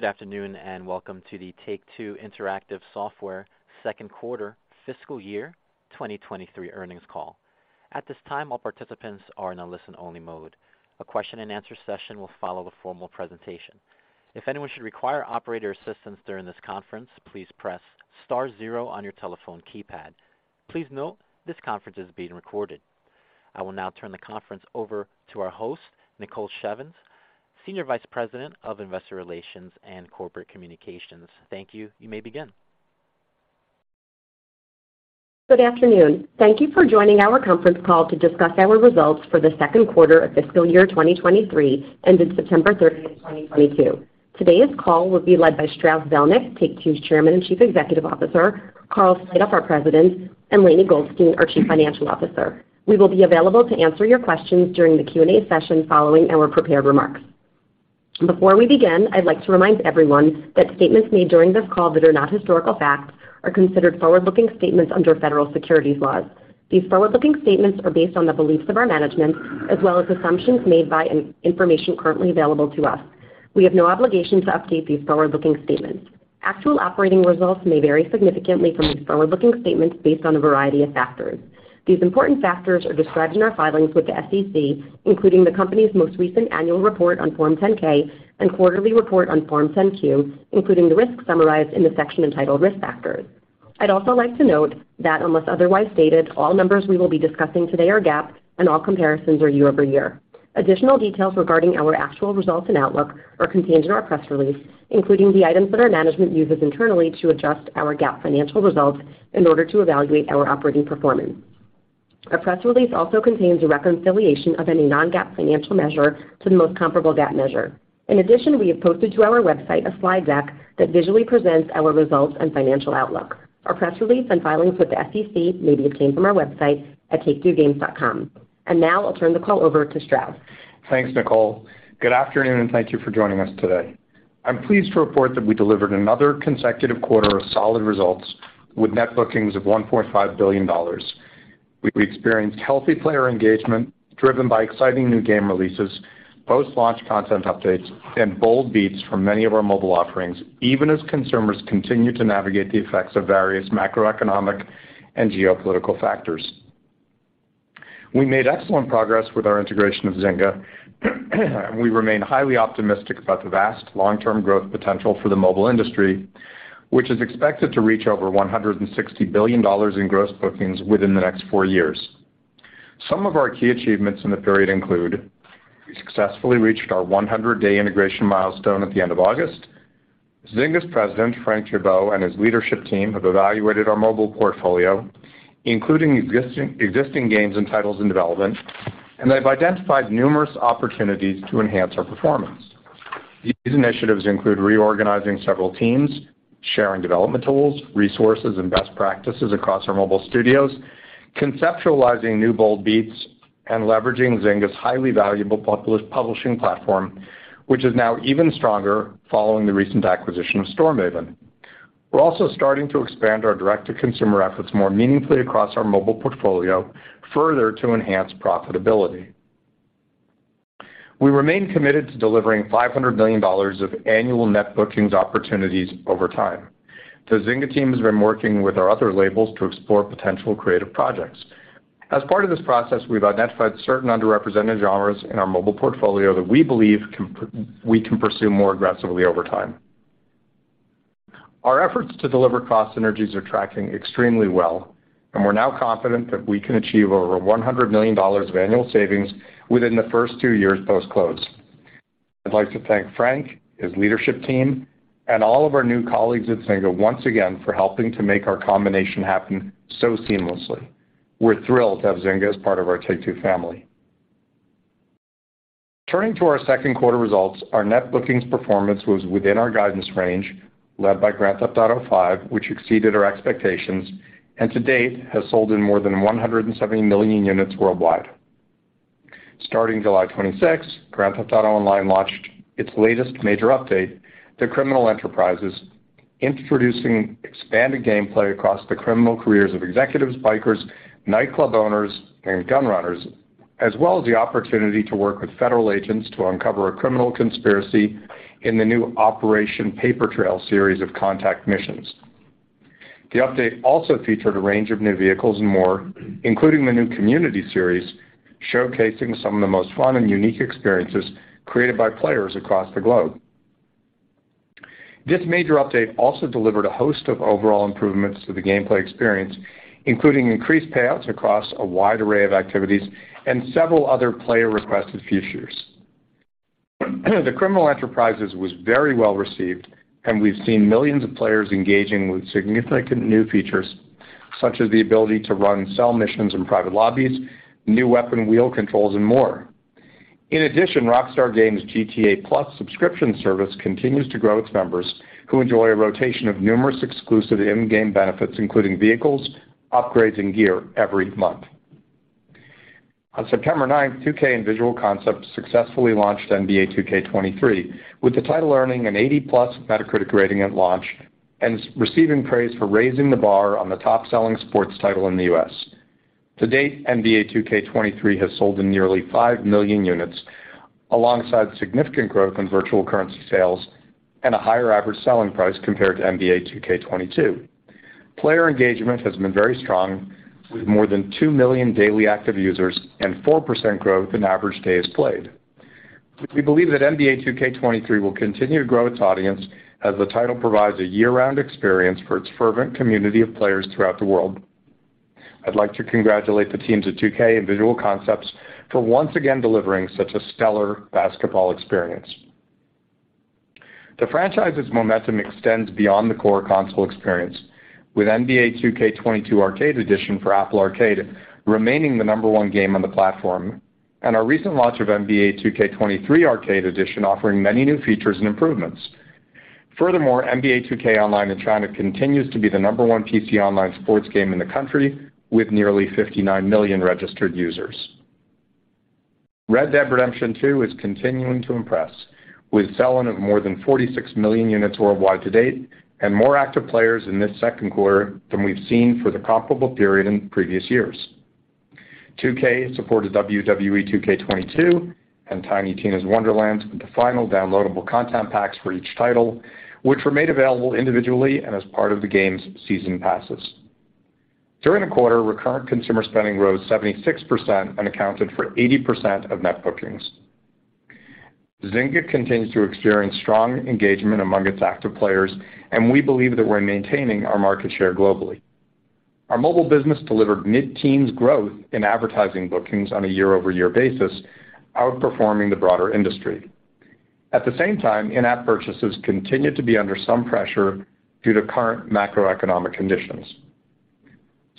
Good afternoon, and welcome to the Take-Two Interactive Software second quarter fiscal year 2023 earnings call. At this time, all participants are in a listen-only mode. A question-and-answer session will follow the formal presentation. If anyone should require operator assistance during this conference, please press star zero on your telephone keypad. Please note this conference is being recorded. I will now turn the conference over to our host, Nicole Shevins, Senior Vice President of Investor Relations and Corporate Communications. Thank you. You may begin. Good afternoon. Thank you for joining our conference call to discuss our results for the second quarter of fiscal year 2023, ended September 30, 2022. Today's call will be led by Strauss Zelnick, Take-Two's Chairman and Chief Executive Officer, Karl Slatoff, our President, and Lainie Goldstein, our Chief Financial Officer. We will be available to answer your questions during the Q&A session following our prepared remarks. Before we begin, I'd like to remind everyone that statements made during this call that are not historical facts are considered forward-looking statements under federal securities laws. These forward-looking statements are based on the beliefs of our management as well as assumptions made by information currently available to us. We have no obligation to update these forward-looking statements. Actual operating results may vary significantly from these forward-looking statements based on a variety of factors. These important factors are described in our filings with the SEC, including the company's most recent annual report on Form 10-K and quarterly report on Form 10-Q, including the risks summarized in the section entitled Risk Factors. I'd also like to note that unless otherwise stated, all numbers we will be discussing today are GAAP and all comparisons are year-over-year. Additional details regarding our actual results and outlook are contained in our press release, including the items that our management uses internally to adjust our GAAP financial results in order to evaluate our operating performance. Our press release also contains a reconciliation of any non-GAAP financial measure to the most comparable GAAP measure. In addition, we have posted to our website a slide deck that visually presents our results and financial outlook. Our press release and filings with the SEC may be obtained from our website at taketwogames.com. Now I'll turn the call over to Strauss. Thanks, Nicole. Good afternoon, and thank you for joining us today. I'm pleased to report that we delivered another consecutive quarter of solid results with net bookings of $1.5 billion. We experienced healthy player engagement driven by exciting new game releases, post-launch content updates and bold beats from many of our mobile offerings, even as consumers continue to navigate the effects of various macroeconomic and geopolitical factors. We made excellent progress with our integration of Zynga, and we remain highly optimistic about the vast long-term growth potential for the mobile industry, which is expected to reach over $160 billion in gross bookings within the next four years. Some of our key achievements in the period include. We successfully reached our 100-day integration milestone at the end of August. Zynga's president, Frank Gibeau, and his leadership team have evaluated our mobile portfolio, including existing games and titles in development, and they've identified numerous opportunities to enhance our performance. These initiatives include reorganizing several teams, sharing development tools, resources, and best practices across our mobile studios, conceptualizing new bold beats, and leveraging Zynga's highly valuable publishing platform, which is now even stronger following the recent acquisition of Storemaven. We're also starting to expand our direct-to-consumer efforts more meaningfully across our mobile portfolio, further to enhance profitability. We remain committed to delivering $500 million of annual net bookings opportunities over time. The Zynga team has been working with our other labels to explore potential creative projects. As part of this process, we've identified certain underrepresented genres in our mobile portfolio that we believe we can pursue more aggressively over time. Our efforts to deliver cost synergies are tracking extremely well, and we're now confident that we can achieve over $100 million of annual savings within the first 2 years post-close. I'd like to thank Frank, his leadership team, and all of our new colleagues at Zynga once again for helping to make our combination happen so seamlessly. We're thrilled to have Zynga as part of our Take-Two family. Turning to our second quarter results, our net bookings performance was within our guidance range, led by Grand Theft Auto V, which exceeded our expectations, and to date has sold in more than 170 million units worldwide. Starting July 26th, Grand Theft Auto Online launched its latest major update, The Criminal Enterprises, introducing expanded gameplay across the criminal careers of executives, bikers, nightclub owners, and gun runners, as well as the opportunity to work with federal agents to uncover a criminal conspiracy in the new Operation Paper Trail series of contact missions. The update also featured a range of new vehicles and more, including the new Community Series, showcasing some of the most fun and unique experiences created by players across the globe. This major update also delivered a host of overall improvements to the gameplay experience, including increased payouts across a wide array of activities and several other player-requested features. The Criminal Enterprises was very well received, and we've seen millions of players engaging with significant new features, such as the ability to run sell missions in private lobbies, new weapon wheel controls, and more. In addition, Rockstar Games' GTA Plus subscription service continues to grow its members who enjoy a rotation of numerous exclusive in-game benefits, including vehicles, upgrades, and gear every month. On September ninth, 2K and Visual Concepts successfully launched NBA 2K23, with the title earning an 80+ Metacritic rating at launch and receiving praise for raising the bar on the top-selling sports title in the U.S. To date, NBA 2K23 has sold in nearly 5 million units alongside significant growth in virtual currency sales and a higher average selling price compared to NBA 2K22. Player engagement has been very strong, with more than 2 million daily active users and 4% growth in average days played. We believe that NBA 2K23 will continue to grow its audience as the title provides a year-round experience for its fervent community of players throughout the world. I'd like to congratulate the teams at 2K and Visual Concepts for once again delivering such a stellar basketball experience. The franchise's momentum extends beyond the core console experience, with NBA 2K22 Arcade Edition for Apple Arcade remaining the number one game on the platform, and our recent launch of NBA 2K23 Arcade Edition offering many new features and improvements. Furthermore, NBA 2K Online in China continues to be the number one PC online sports game in the country, with nearly 59 million registered users. Red Dead Redemption 2 is continuing to impress, with sell-in of more than 46 million units worldwide to date and more active players in this second quarter than we've seen for the comparable period in previous years. 2K supported WWE 2K22 and Tiny Tina's Wonderlands with the final downloadable content packs for each title, which were made available individually and as part of the games' season passes. During the quarter, recurrent consumer spending rose 76% and accounted for 80% of net bookings. Zynga continues to experience strong engagement among its active players, and we believe that we're maintaining our market share globally. Our mobile business delivered mid-teens growth in advertising bookings on a year-over-year basis, outperforming the broader industry. At the same time, in-app purchases continued to be under some pressure due to current macroeconomic conditions.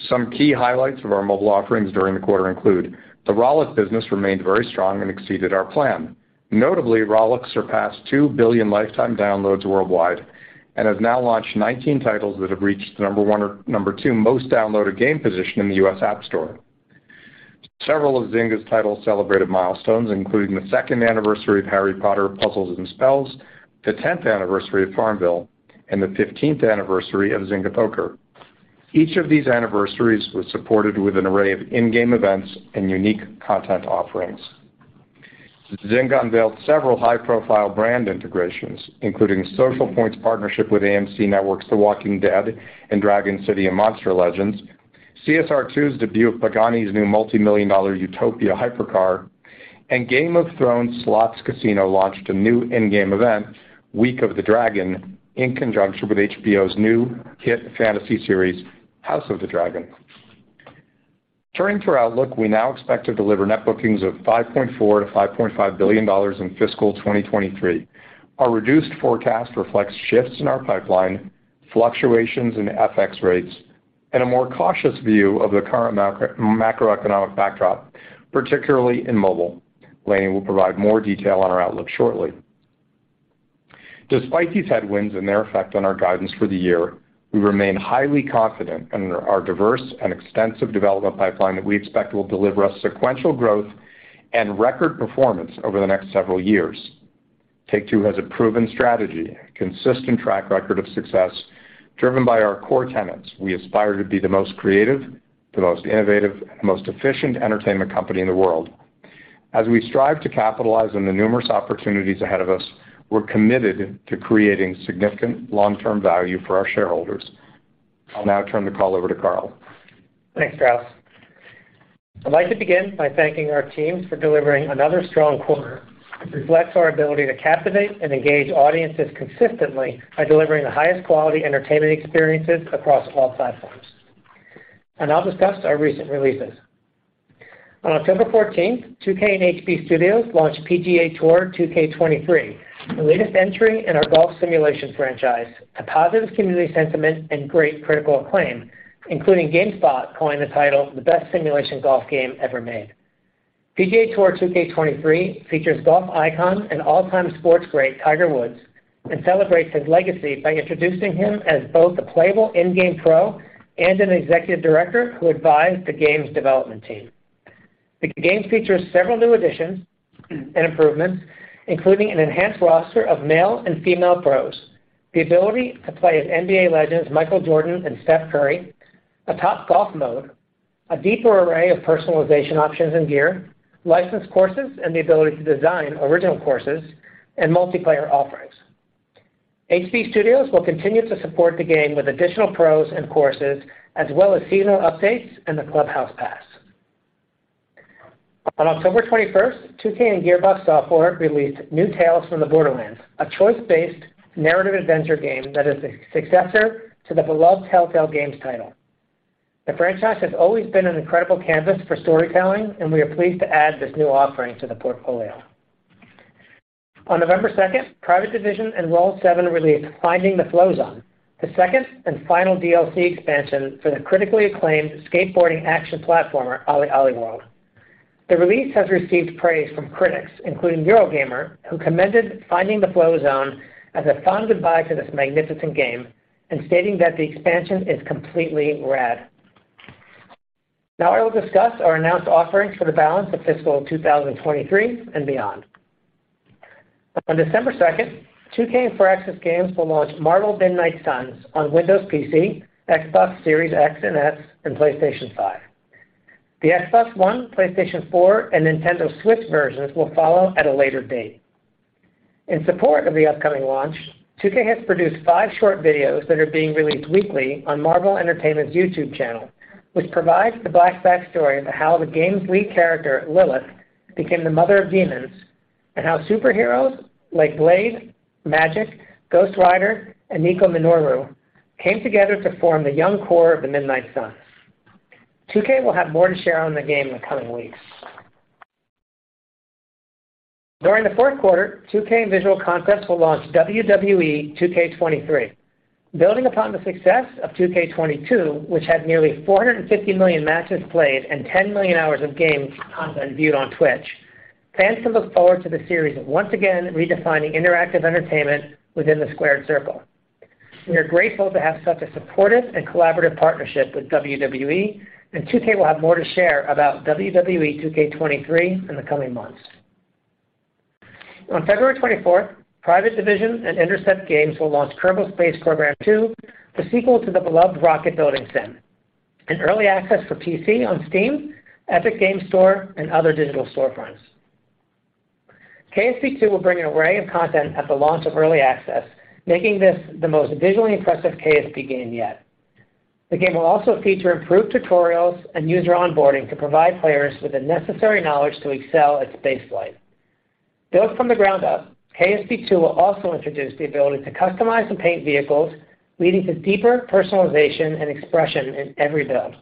Some key highlights of our mobile offerings during the quarter include. The Rollic business remained very strong and exceeded our plan. Notably, Rollic surpassed 2 billion lifetime downloads worldwide and has now launched 19 titles that have reached the number 1 or number 2 most downloaded game position in the US App Store. Several of Zynga's titles celebrated milestones, including the second anniversary of Harry Potter: Puzzles & Spells, the 10th anniversary of FarmVille, and the 15th anniversary of Zynga Poker. Each of these anniversaries was supported with an array of in-game events and unique content offerings. Zynga unveiled several high-profile brand integrations, including Socialpoint's partnership with AMC Networks' The Walking Dead and Dragon City and Monster Legends, CSR2's debut of Pagani's new multimillion-dollar Utopia hypercar, and Game of Thrones Slots Casino launched a new in-game event, Week of the Dragon, in conjunction with HBO's new hit fantasy series, House of the Dragon. Turning to our outlook, we now expect to deliver net bookings of $5.4 billion-$5.5 billion in fiscal 2023. Our reduced forecast reflects shifts in our pipeline, fluctuations in FX rates, and a more cautious view of the current macro, macroeconomic backdrop, particularly in mobile. Lainie will provide more detail on our outlook shortly. Despite these headwinds and their effect on our guidance for the year, we remain highly confident in our diverse and extensive development pipeline that we expect will deliver us sequential growth and record performance over the next several years. Take-Two has a proven strategy, a consistent track record of success, driven by our core tenets. We aspire to be the most creative, the most innovative, the most efficient entertainment company in the world. As we strive to capitalize on the numerous opportunities ahead of us, we're committed to creating significant long-term value for our shareholders. I'll now turn the call over to Karl. Thanks, Strauss. I'd like to begin by thanking our teams for delivering another strong quarter. It reflects our ability to captivate and engage audiences consistently by delivering the highest quality entertainment experiences across all platforms. I'll discuss our recent releases. On October fourteenth, 2K and HB Studios launched PGA TOUR 2K23, the latest entry in our golf simulation franchise, to positive community sentiment and great critical acclaim, including GameSpot calling the title the best simulation golf game ever made. PGA TOUR 2K23 features golf icon and all-time sports great Tiger Woods and celebrates his legacy by introducing him as both a playable in-game pro and an executive director who advised the game's development team. The game features several new additions and improvements, including an enhanced roster of male and female pros, the ability to play as NBA legends Michael Jordan and Steph Curry, a top golf mode, a deeper array of personalization options and gear, licensed courses and the ability to design original courses, and multiplayer offerings. HB Studios will continue to support the game with additional pros and courses, as well as seasonal updates and the clubhouse pass. On October twenty-first, 2K and Gearbox Software released New Tales from the Borderlands, a choice-based narrative adventure game that is the successor to the beloved Telltale Games title. The franchise has always been an incredible canvas for storytelling, and we are pleased to add this new offering to the portfolio. On November second, Private Division and Roll7 released Finding the Flowzone, the second and final DLC expansion for the critically acclaimed skateboarding action platformer OlliOlli World. The release has received praise from critics, including Eurogamer, who commended Finding the Flowzone as a fond goodbye to this magnificent game and stating that the expansion is completely rad. Now I will discuss our announced offerings for the balance of fiscal 2023 and beyond. On December second, 2K and Firaxis Games will launch Marvel's Midnight Suns on Windows PC, Xbox Series X and S, and PlayStation 5. The Xbox One, PlayStation 4, and Nintendo Switch versions will follow at a later date. In support of the upcoming launch, 2K has produced five short videos that are being released weekly on Marvel Entertainment's YouTube channel, which provides the backstory into how the game's lead character, Lilith, became the mother of demons, and how superheroes like Blade, Magik, Ghost Rider, and Nico Minoru came together to form the young core of the Midnight Suns. 2K will have more to share on the game in the coming weeks. During the fourth quarter, 2K and Visual Concepts will launch WWE 2K23. Building upon the success of 2K22, which had nearly 450 million matches played and 10 million hours of game content viewed on Twitch, fans can look forward to the series once again redefining interactive entertainment within the squared circle. We are grateful to have such a supportive and collaborative partnership with WWE, and 2K will have more to share about WWE 2K23 in the coming months. On February twenty-fourth, Private Division and Intercept Games will launch Kerbal Space Program 2, the sequel to the beloved rocket-building sim, in early access for PC on Steam, Epic Games Store, and other digital storefronts. KSP 2 will bring an array of content at the launch of early access, making this the most visually impressive KSP game yet. The game will also feature improved tutorials and user onboarding to provide players with the necessary knowledge to excel at spaceflight. Built from the ground up, KSP 2 will also introduce the ability to customize and paint vehicles, leading to deeper personalization and expression in every build.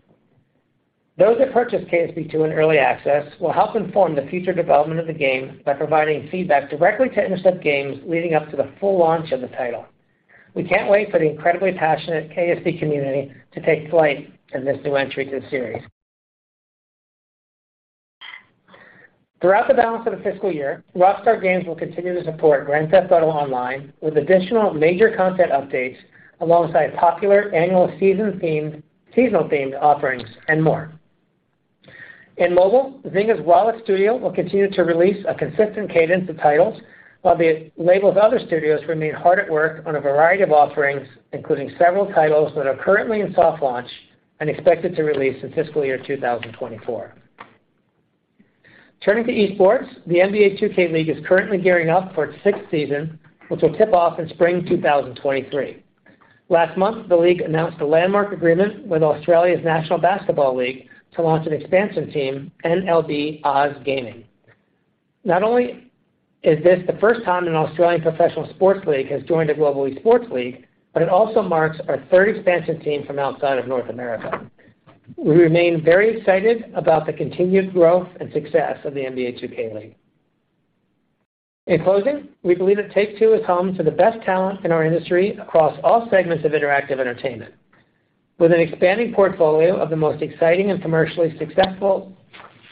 Those that purchase KSP Two in early access will help inform the future development of the game by providing feedback directly to Intercept Games leading up to the full launch of the title. We can't wait for the incredibly passionate KSP community to take flight in this new entry to the series. Throughout the balance of the fiscal year, Rockstar Games will continue to support Grand Theft Auto Online with additional major content updates alongside popular annual seasonal-themed offerings and more. In mobile, Zynga's Rollic Studio will continue to release a consistent cadence of titles, while the label's other studios remain hard at work on a variety of offerings, including several titles that are currently in soft launch and expected to release in fiscal year 2024. Turning to esports, the NBA 2K League is currently gearing up for its sixth season, which will tip off in spring 2023. Last month, the league announced a landmark agreement with Australia's National Basketball League to launch an expansion team, NBL Oz Gaming. Not only is this the first time an Australian professional sports league has joined a global esports league, but it also marks our third expansion team from outside of North America. We remain very excited about the continued growth and success of the NBA 2K League. In closing, we believe that Take-Two is home to the best talent in our industry across all segments of interactive entertainment. With an expanding portfolio of the most exciting and commercially successful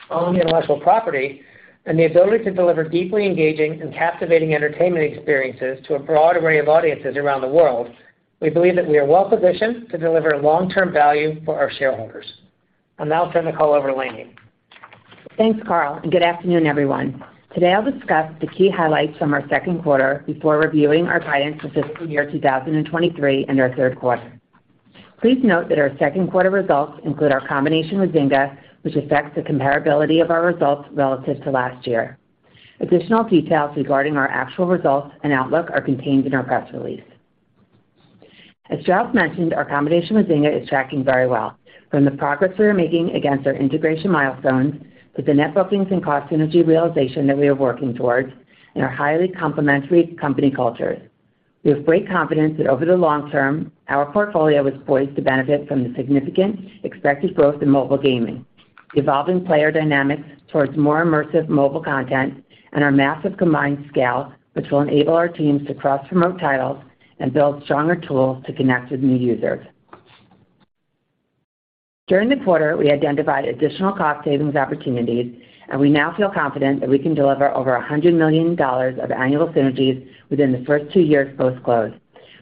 owned intellectual property and the ability to deliver deeply engaging and captivating entertainment experiences to a broad array of audiences around the world, we believe that we are well-positioned to deliver long-term value for our shareholders. I'll now turn the call over to Lainie. Thanks, Karl, and good afternoon, everyone. Today, I'll discuss the key highlights from our second quarter before reviewing our guidance for fiscal year 2023 and our third quarter. Please note that our second quarter results include our combination with Zynga, which affects the comparability of our results relative to last year. Additional details regarding our actual results and outlook are contained in our press release. As Strauss mentioned, our combination with Zynga is tracking very well. From the progress we are making against our integration milestones to the net bookings and cost synergy realization that we are working towards and our highly complementary company cultures. We have great confidence that over the long term, our portfolio is poised to benefit from the significant expected growth in mobile gaming, evolving player dynamics towards more immersive mobile content, and our massive combined scale, which will enable our teams to cross-promote titles and build stronger tools to connect with new users. During the quarter, we identified additional cost savings opportunities, and we now feel confident that we can deliver over $100 million of annual synergies within the first two years post-close.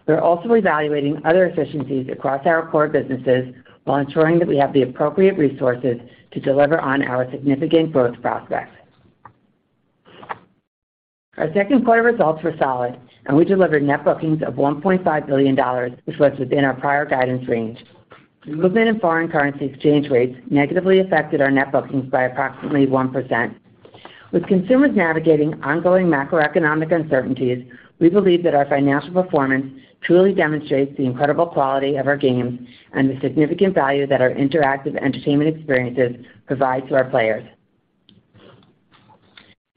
We're also evaluating other efficiencies across our core businesses while ensuring that we have the appropriate resources to deliver on our significant growth prospects. Our second quarter results were solid, and we delivered net bookings of $1.5 billion, which was within our prior guidance range. Movement in foreign currency exchange rates negatively affected our net bookings by approximately 1%. With consumers navigating ongoing macroeconomic uncertainties, we believe that our financial performance truly demonstrates the incredible quality of our games and the significant value that our interactive entertainment experiences provide to our players.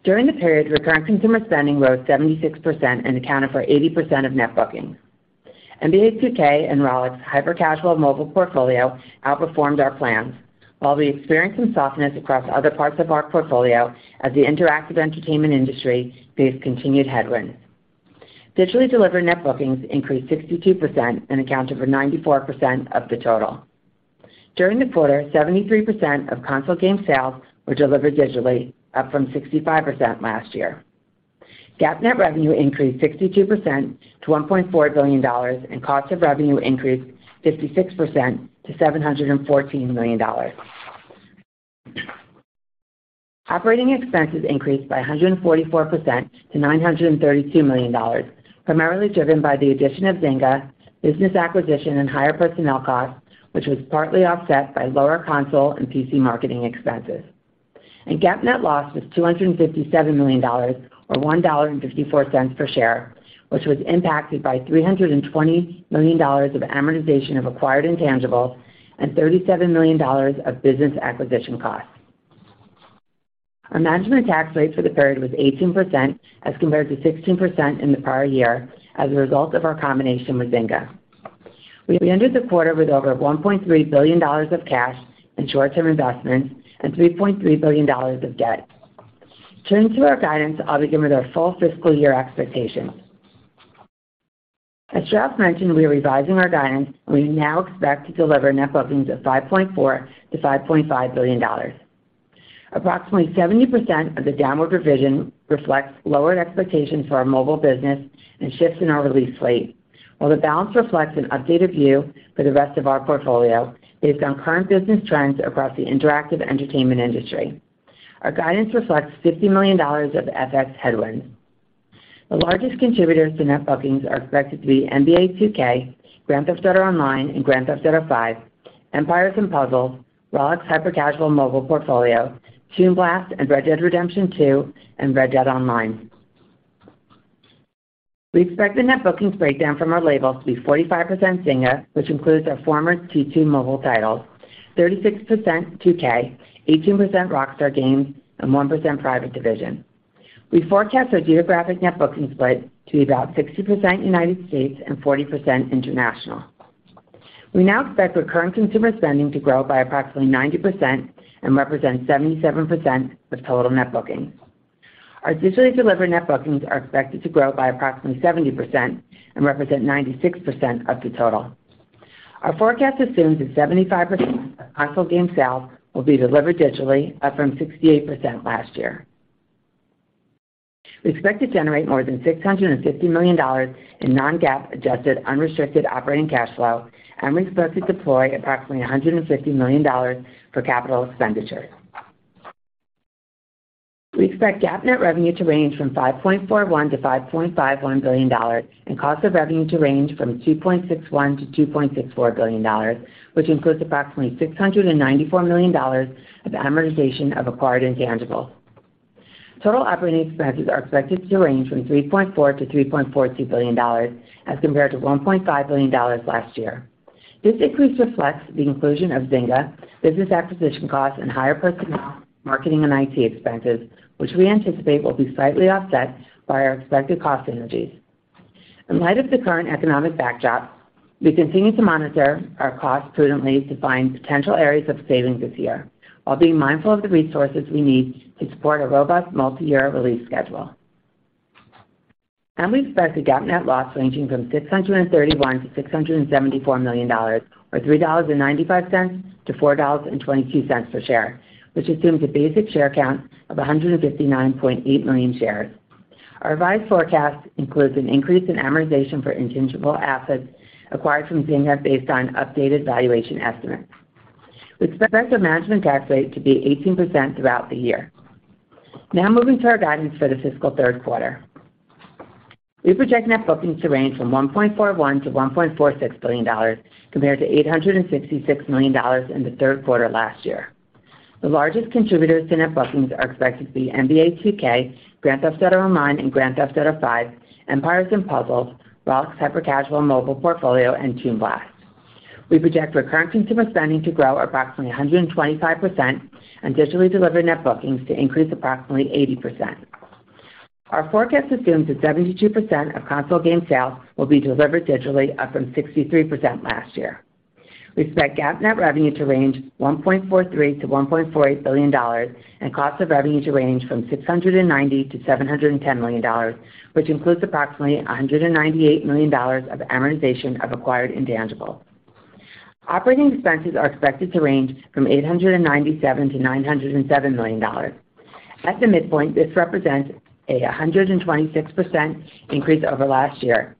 During the period, recurring consumer spending rose 76% and accounted for 80% of net bookings. NBA 2K and Rollic's hyper-casual mobile portfolio outperformed our plans. While we experienced some softness across other parts of our portfolio as the interactive entertainment industry faced continued headwinds. Digitally delivered net bookings increased 62% and accounted for 94% of the total. During the quarter, 73% of console game sales were delivered digitally, up from 65% last year. GAAP net revenue increased 62% to $1.4 billion, and cost of revenue increased 56% to $714 million. Operating expenses increased by 144% to $932 million, primarily driven by the addition of Zynga business acquisition and higher personnel costs, which was partly offset by lower console and PC marketing expenses. GAAP net loss was $257 million or $1.54 per share, which was impacted by $320 million of amortization of acquired intangibles and $37 million of business acquisition costs. Our management tax rate for the period was 18% as compared to 16% in the prior year as a result of our combination with Zynga. We ended the quarter with over $1.3 billion of cash and short-term investments and $3.3 billion of debt. Turning to our guidance, I'll begin with our full fiscal year expectations. As Strauss mentioned, we are revising our guidance, and we now expect to deliver net bookings of $5.4 billion-$5.5 billion. Approximately 70% of the downward revision reflects lowered expectations for our mobile business and shifts in our release slate, while the balance reflects an updated view for the rest of our portfolio based on current business trends across the interactive entertainment industry. Our guidance reflects $50 million of FX headwinds. The largest contributors to net bookings are expected to be NBA 2K, Grand Theft Auto Online, Grand Theft Auto V, Empires & Puzzles, Rollic hyper-casual mobile portfolio, Toon Blast, and Red Dead Redemption 2 and Red Dead Online. We expect the net bookings breakdown from our labels to be 45% Zynga, which includes our former T2 mobile titles, 36% 2K, 18% Rockstar Games, and 1% Private Division. We forecast our geographic net bookings split to be about 60% United States and 40% international. We now expect recurrent consumer spending to grow by approximately 90% and represent 77% of total net bookings. Our digitally delivered net bookings are expected to grow by approximately 70% and represent 96% of the total. Our forecast assumes that 75% of console game sales will be delivered digitally, up from 68% last year. We expect to generate more than $650 million in non-GAAP adjusted unrestricted operating cash flow, and we expect to deploy approximately $150 million for capital expenditures. We expect GAAP net revenue to range from $5.41 billion-$5.51 billion and cost of revenue to range from $2.61 billion-$2.64 billion, which includes approximately $694 million of amortization of acquired intangibles. Total operating expenses are expected to range from $3.4 billion-$3.42 billion as compared to $1.5 billion last year. This increase reflects the inclusion of Zynga business acquisition costs and higher personnel marketing and IT expenses, which we anticipate will be slightly offset by our expected cost synergies. In light of the current economic backdrop, we continue to monitor our costs prudently to find potential areas of savings this year while being mindful of the resources we need to support a robust multi-year release schedule. We expect a GAAP net loss ranging from $631 million-$674 million or $3.95-$4.22 per share, which assumes a basic share count of 159.8 million shares. Our revised forecast includes an increase in amortization for intangible assets acquired from Zynga based on updated valuation estimates. We expect our management tax rate to be 18% throughout the year. Now moving to our guidance for the fiscal third quarter. We project net bookings to range from $1.41 billion-$1.46 billion compared to $866 million in the third quarter last year. The largest contributors to net bookings are expected to be NBA 2K, Grand Theft Auto Online, and Grand Theft Auto V, Empires & Puzzles, Rollic hyper-casual mobile portfolio, and Toon Blast. We project recurrent consumer spending to grow approximately 125% and digitally delivered net bookings to increase approximately 80%. Our forecast assumes that 72% of console game sales will be delivered digitally, up from 63% last year. We expect GAAP net revenue to range $1.43-$1.48 billion and cost of revenue to range from $690-$710 million, which includes approximately $198 million of amortization of acquired intangibles. Operating expenses are expected to range from $897-$907 million. At the midpoint, this represents a 126% increase over last year.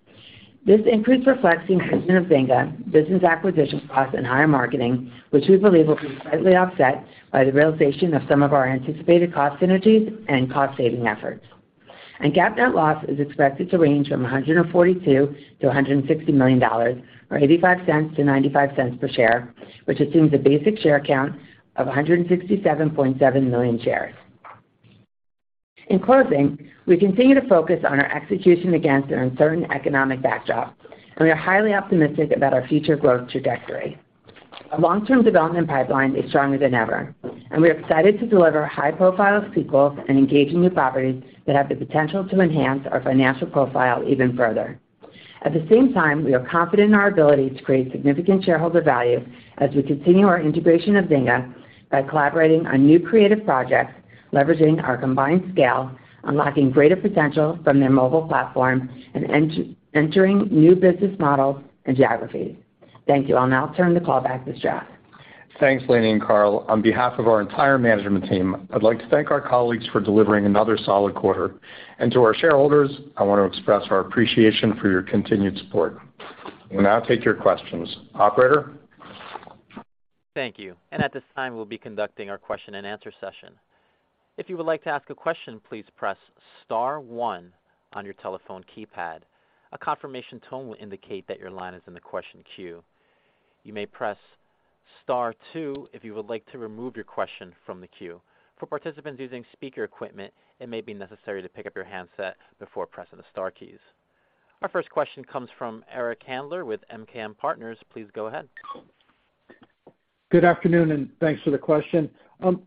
This increase reflects the inclusion of Zynga business acquisition costs and higher marketing, which we believe will be slightly offset by the realization of some of our anticipated cost synergies and cost-saving efforts. GAAP net loss is expected to range from $142 million-$160 million or $0.85-$0.95 per share, which assumes a basic share count of 167.7 million shares. In closing, we continue to focus on our execution against an uncertain economic backdrop, and we are highly optimistic about our future growth trajectory. Our long-term development pipeline is stronger than ever, and we are excited to deliver high-profile sequels and engaging new properties that have the potential to enhance our financial profile even further. At the same time, we are confident in our ability to create significant shareholder value as we continue our integration of Zynga by collaborating on new creative projects, leveraging our combined scale, unlocking greater potential from their mobile platform, and entering new business models and geographies. Thank you. I'll now turn the call back to Strauss. Thanks, Lainie and Karl. On behalf of our entire management team, I'd like to thank our colleagues for delivering another solid quarter. To our shareholders, I want to express our appreciation for your continued support. We'll now take your questions. Operator? Thank you. At this time, we'll be conducting our question-and-answer session. If you would like to ask a question, please press star one on your telephone keypad. A confirmation tone will indicate that your line is in the question queue. You may press star two if you would like to remove your question from the queue. For participants using speaker equipment, it may be necessary to pick up your handset before pressing the star keys. Our first question comes from Eric Handler with ROTH MKM. Please go ahead. Good afternoon, and thanks for the question.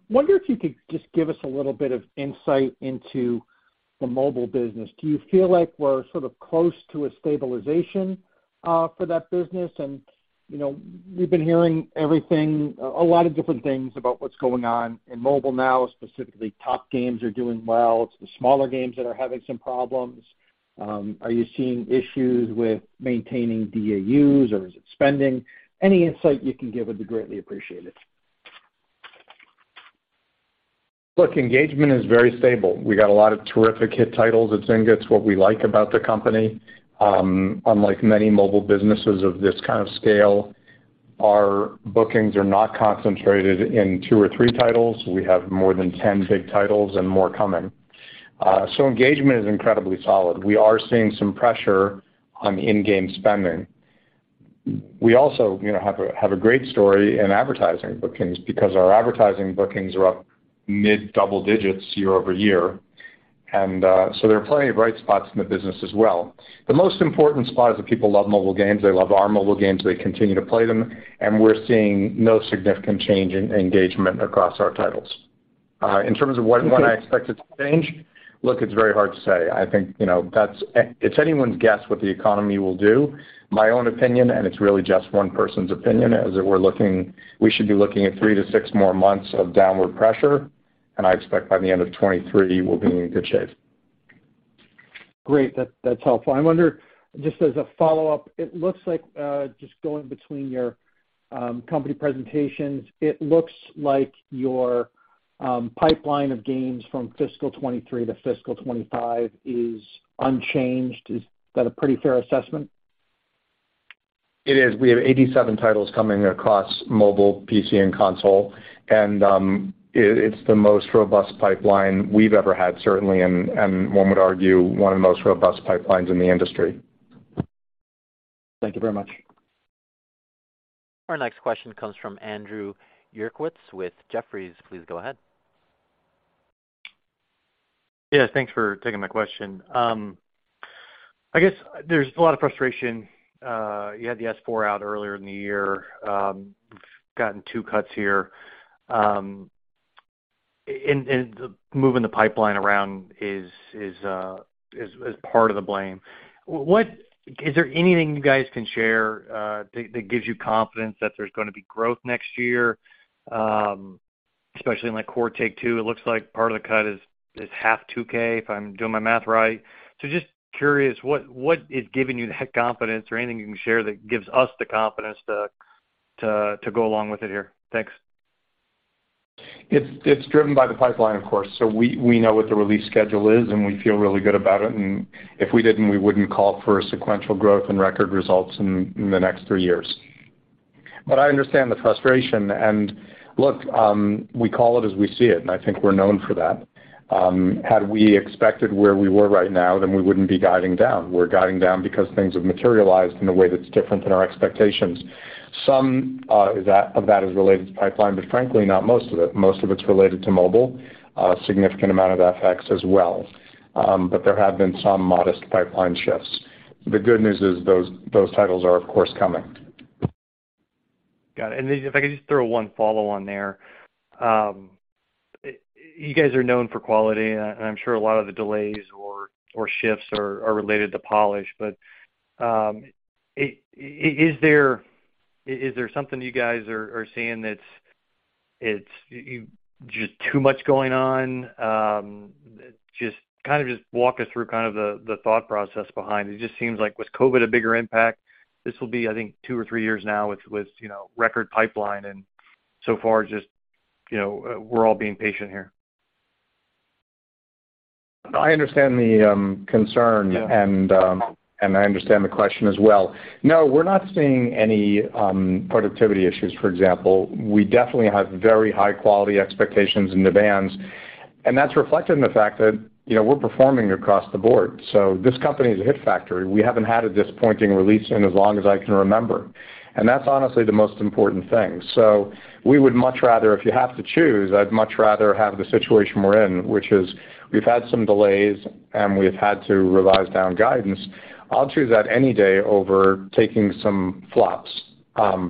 Wonder if you could just give us a little bit of insight into the mobile business. Do you feel like we're sort of close to a stabilization for that business? You know, we've been hearing everything, a lot of different things about what's going on in mobile now, specifically top games are doing well. It's the smaller games that are having some problems. Are you seeing issues with maintaining DAUs, or is it spending? Any insight you can give would be greatly appreciated. Look, engagement is very stable. We got a lot of terrific hit titles at Zynga. It's what we like about the company. Unlike many mobile businesses of this kind of scale, our bookings are not concentrated in two or three titles. We have more than 10 big titles and more coming. Engagement is incredibly solid. We are seeing some pressure on in-game spending. We also, you know, have a great story in advertising bookings because our advertising bookings are up mid-double digits year-over-year. There are plenty of bright spots in the business as well. The most important spot is that people love mobile games. They love our mobile games. They continue to play them, and we're seeing no significant change in engagement across our titles. In terms of when I expect it to change, look, it's very hard to say. I think, you know, that's. It's anyone's guess what the economy will do. My own opinion, and it's really just one person's opinion, is that we should be looking at three to six more months of downward pressure, and I expect by the end of 2023, we'll be in good shape. Great. That's helpful. I wonder, just as a follow-up, it looks like just going between your company presentations, it looks like your pipeline of games from fiscal 23 to fiscal 25 is unchanged. Is that a pretty fair assessment? It is. We have 87 titles coming across mobile, PC and console. It's the most robust pipeline we've ever had, certainly, and one would argue one of the most robust pipelines in the industry. Thank you very much. Our next question comes from Andrew Uerkwitz with Jefferies. Please go ahead. Yes, thanks for taking my question. I guess there's a lot of frustration. You had the S-4 out earlier in the year. We've gotten two cuts here, and moving the pipeline around is part of the blame. Is there anything you guys can share that gives you confidence that there's gonna be growth next year, especially in like Core Take-Two? It looks like part of the cut is half 2K, if I'm doing my math right. Just curious, what is giving you that confidence or anything you can share that gives us the confidence to go along with it here? Thanks. It's driven by the pipeline, of course. We know what the release schedule is, and we feel really good about it. If we didn't, we wouldn't call for a sequential growth and record results in the next three years. I understand the frustration and look, we call it as we see it, and I think we're known for that. Had we expected where we were right now, then we wouldn't be guiding down. We're guiding down because things have materialized in a way that's different than our expectations. Some of that is related to pipeline, but frankly, not most of it. Most of it's related to mobile, a significant amount of FX as well. There have been some modest pipeline shifts. The good news is those titles are of course coming. Got it. If I could just throw one follow on there. You guys are known for quality, and I'm sure a lot of the delays or shifts are related to polish. Is there something you guys are seeing that's just too much going on? Just kind of walk us through kind of the thought process behind it. It just seems like with COVID a bigger impact, this will be, I think, two or three years now with you know, record pipeline. So far, just, you know, we're all being patient here. I understand the concern. Yeah. I understand the question as well. No, we're not seeing any productivity issues, for example. We definitely have very high quality expectations and demands, and that's reflected in the fact that, you know, we're performing across the board. This company is a hit factory. We haven't had a disappointing release in as long as I can remember, and that's honestly the most important thing. We would much rather, if you have to choose, I'd much rather have the situation we're in, which is we've had some delays and we've had to revise down guidance. I'll choose that any day over taking some flops.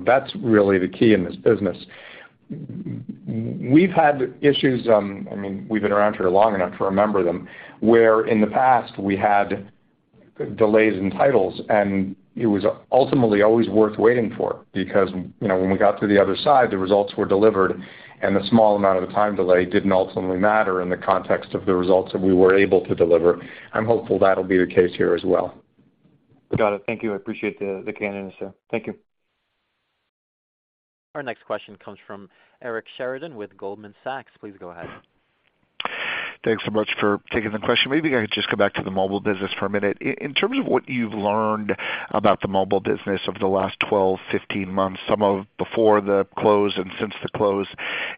That's really the key in this business. We've had issues, I mean, we've been around here long enough to remember them, where in the past we had delays in titles, and it was ultimately always worth waiting for because, you know, when we got to the other side, the results were delivered, and the small amount of the time delay didn't ultimately matter in the context of the results that we were able to deliver. I'm hopeful that'll be the case here as well. Got it. Thank you. I appreciate the guidance there. Thank you. Our next question comes from Eric Sheridan with Goldman Sachs. Please go ahead. Thanks so much for taking the question. Maybe I could just go back to the mobile business for a minute. In terms of what you've learned about the mobile business over the last 12, 15 months, some of before the close and since the close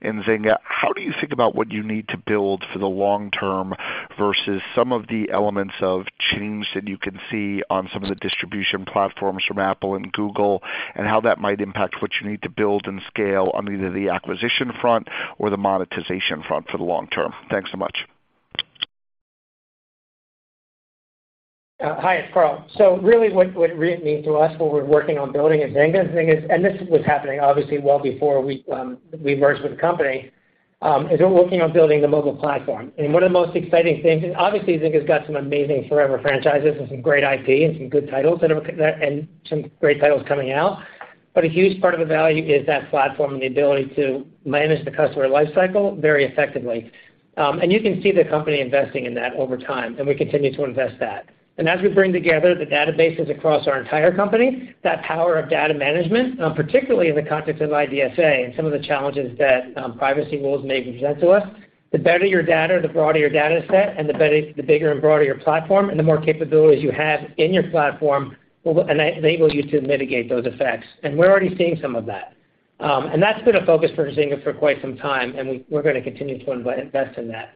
in Zynga, how do you think about what you need to build for the long term versus some of the elements of change that you can see on some of the distribution platforms from Apple and Google, and how that might impact what you need to build and scale on either the acquisition front or the monetization front for the long term? Thanks so much. Hi, it's Karl. Really what it means to us, what we're working on building at Zynga is, and this was happening obviously well before we merged with the company, we're working on building the mobile platform. One of the most exciting things is obviously Zynga's got some amazing forever franchises and some great IP and some good titles that are and some great titles coming out. A huge part of the value is that platform and the ability to manage the customer life cycle very effectively. You can see the company investing in that over time, and we continue to invest that. As we bring together the databases across our entire company, that power of data management, particularly in the context of IDFA and some of the challenges that, privacy rules may present to us, the better your data, the broader your data set and the better, the bigger and broader your platform and the more capabilities you have in your platform will enable you to mitigate those effects. We're already seeing some of that. That's been a focus for Zynga for quite some time, and we're gonna continue to invest in that.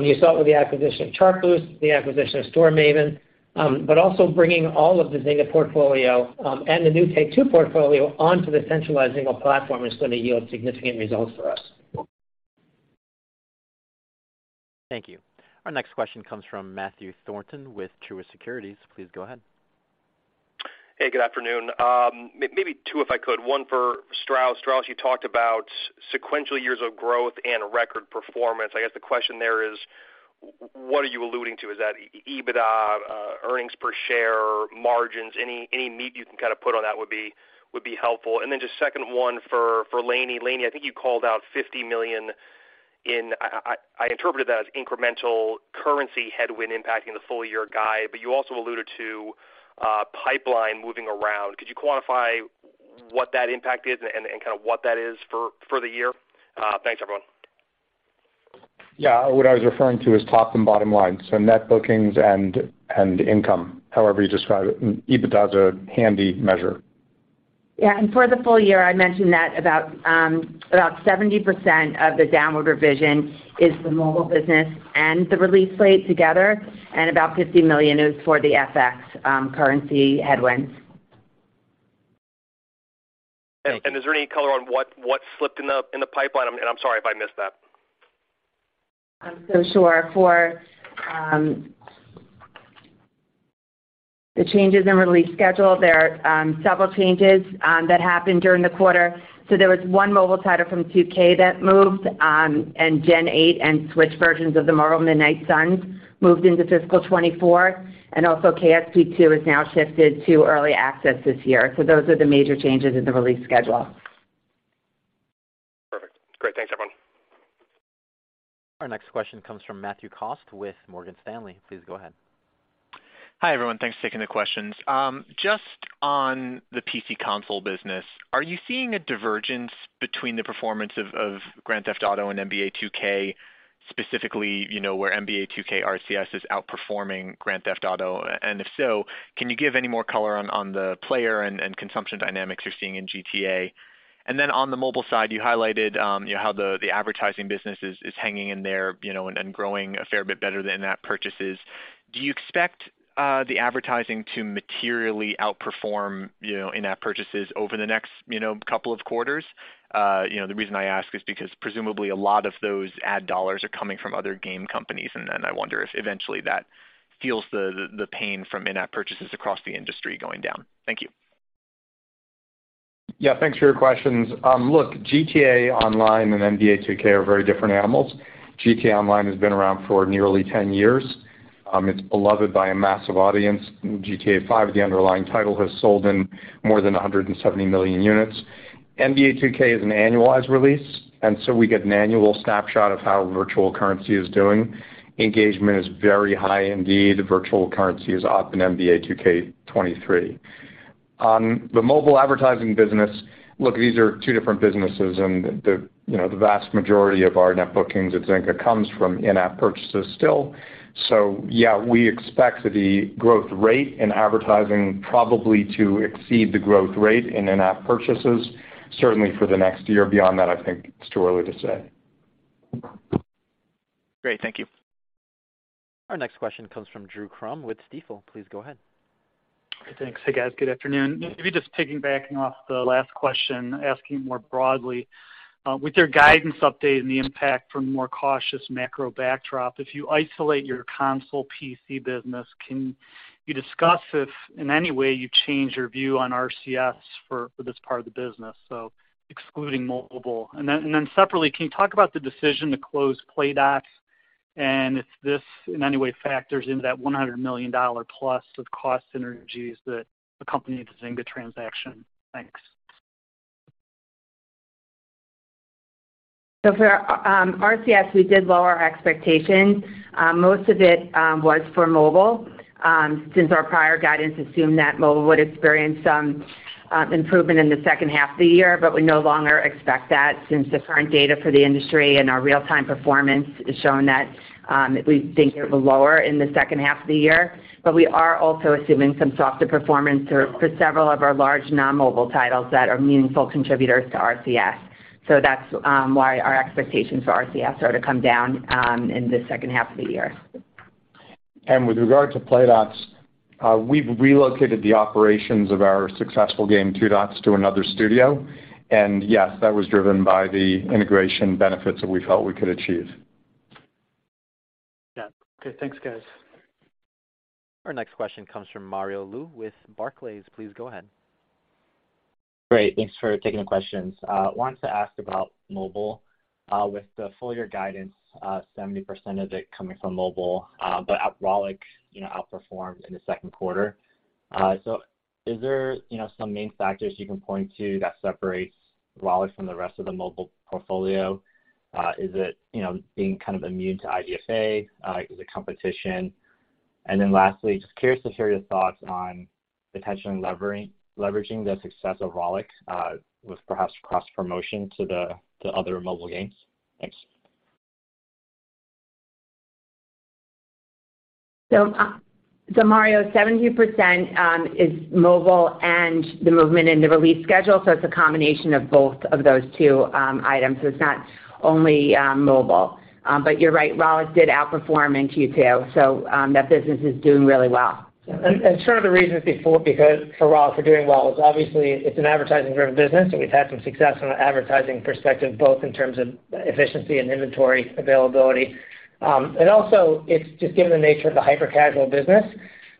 You saw it with the acquisition of Chartboost, the acquisition of StoreMaven, but also bringing all of the Zynga portfolio, and the new Take-Two portfolio onto the centralized Zynga platform is gonna yield significant results for us. Thank you. Our next question comes from Matthew Thornton with Truist Securities. Please go ahead. Hey, good afternoon. Maybe two, if I could. One for Strauss. Strauss, you talked about sequential years of growth and record performance. I guess the question there is what are you alluding to? Is that EBITDA, earnings per share, margins? Any meat you can kind of put on that would be helpful. Then just second one for Lainie. Lainie, I think you called out $50 million in. I interpreted that as incremental currency headwind impacting the full year guide, but you also alluded to pipeline moving around. Could you quantify what that impact is and kind of what that is for the year? Thanks, everyone. Yeah. What I was referring to is top and bottom line, so net bookings and income, however you describe it. EBITDA is a handy measure. For the full year, I mentioned that about 70% of the downward revision is the mobile business and the release slate together, and about $50 million is for the FX currency headwinds. Is there any color on what slipped in the pipeline? I'm sorry if I missed that. I'm so sure. For the changes in release schedule, there are several changes that happened during the quarter. There was one mobile title from 2K that moved, and Gen 8 and Switch versions of the Marvel's Midnight Suns moved into fiscal 2024, and also KSP 2 is now shifted to early access this year. Those are the major changes in the release schedule. Perfect. Great. Thanks, everyone. Our next question comes from Matthew Cost with Morgan Stanley. Please go ahead. Hi, everyone. Thanks for taking the questions. Just on the PC console business, are you seeing a divergence between the performance of Grand Theft Auto and NBA 2K specifically, you know, where NBA 2K RCS is outperforming Grand Theft Auto? And if so, can you give any more color on the player and consumption dynamics you're seeing in GTA? Then on the mobile side, you highlighted, you know, how the advertising business is hanging in there, you know, and growing a fair bit better than in-app purchases. Do you expect the advertising to materially outperform, you know, in-app purchases over the next, you know, couple of quarters? You know, the reason I ask is because presumably a lot of those ad dollars are coming from other game companies, and then I wonder if eventually that feels the pain from in-app purchases across the industry going down. Thank you. Yeah. Thanks for your questions. Look, GTA Online and NBA 2K are very different animals. GTA Online has been around for nearly 10 years. It's beloved by a massive audience. GTA 5, the underlying title, has sold in more than 170 million units. NBA 2K is an annualized release, and so we get an annual snapshot of how virtual currency is doing. Engagement is very high indeed. Virtual currency is up in NBA 2K23. The mobile advertising business, look, these are two different businesses and the, you know, the vast majority of our net bookings at Zynga comes from in-app purchases still. Yeah, we expect the growth rate in advertising probably to exceed the growth rate in in-app purchases, certainly for the next year. Beyond that, I think it's too early to say. Great. Thank you. Our next question comes from Drew Crum with Stifel. Please go ahead. Thanks. Hey, guys. Good afternoon. Maybe just piggybacking off the last question, asking more broadly, with your guidance update and the impact from more cautious macro backdrop, if you isolate your console PC business, can you discuss if in any way you change your view on RCS for this part of the business, so excluding mobile? Then separately, can you talk about the decision to close Playdots and if this in any way factors into that $100 million plus of cost synergies that accompanied the Zynga transaction? Thanks. For RCS, we did lower our expectations. Most of it was for mobile, since our prior guidance assumed that mobile would experience some improvement in the second half of the year, but we no longer expect that since the current data for the industry and our real-time performance is showing that we think it will lower in the second half of the year. We are also assuming some softer performance for several of our large non-mobile titles that are meaningful contributors to RCS. That's why our expectations for RCS are to come down in the second half of the year. With regard to Playdots, we've relocated the operations of our successful game Two Dots to another studio. Yes, that was driven by the integration benefits that we felt we could achieve. Yeah. Okay. Thanks, guys. Our next question comes from Mario Lu with Barclays. Please go ahead. Great. Thanks for taking the questions. Wanted to ask about mobile. With the full year guidance, 70% of it coming from mobile, but Rollic, you know, outperformed in the second quarter. So is there, you know, some main factors you can point to that separates Rollic from the rest of the mobile portfolio? Is it, you know, being kind of immune to IDFA? Is it competition? And then lastly, just curious to hear your thoughts on potentially leveraging the success of Rollic, with perhaps cross-promotion to the other mobile games. Thanks. Mario Lu, 70% is mobile and the movement in the release schedule. It's a combination of both of those two items. It's not only mobile. But you're right, Rollic did outperform in Q2, so that business is doing really well. The reason for Rollic doing well is obviously it's an advertising-driven business, and we've had some success from an advertising perspective, both in terms of efficiency and inventory availability. Also, it's just given the nature of the hyper casual business,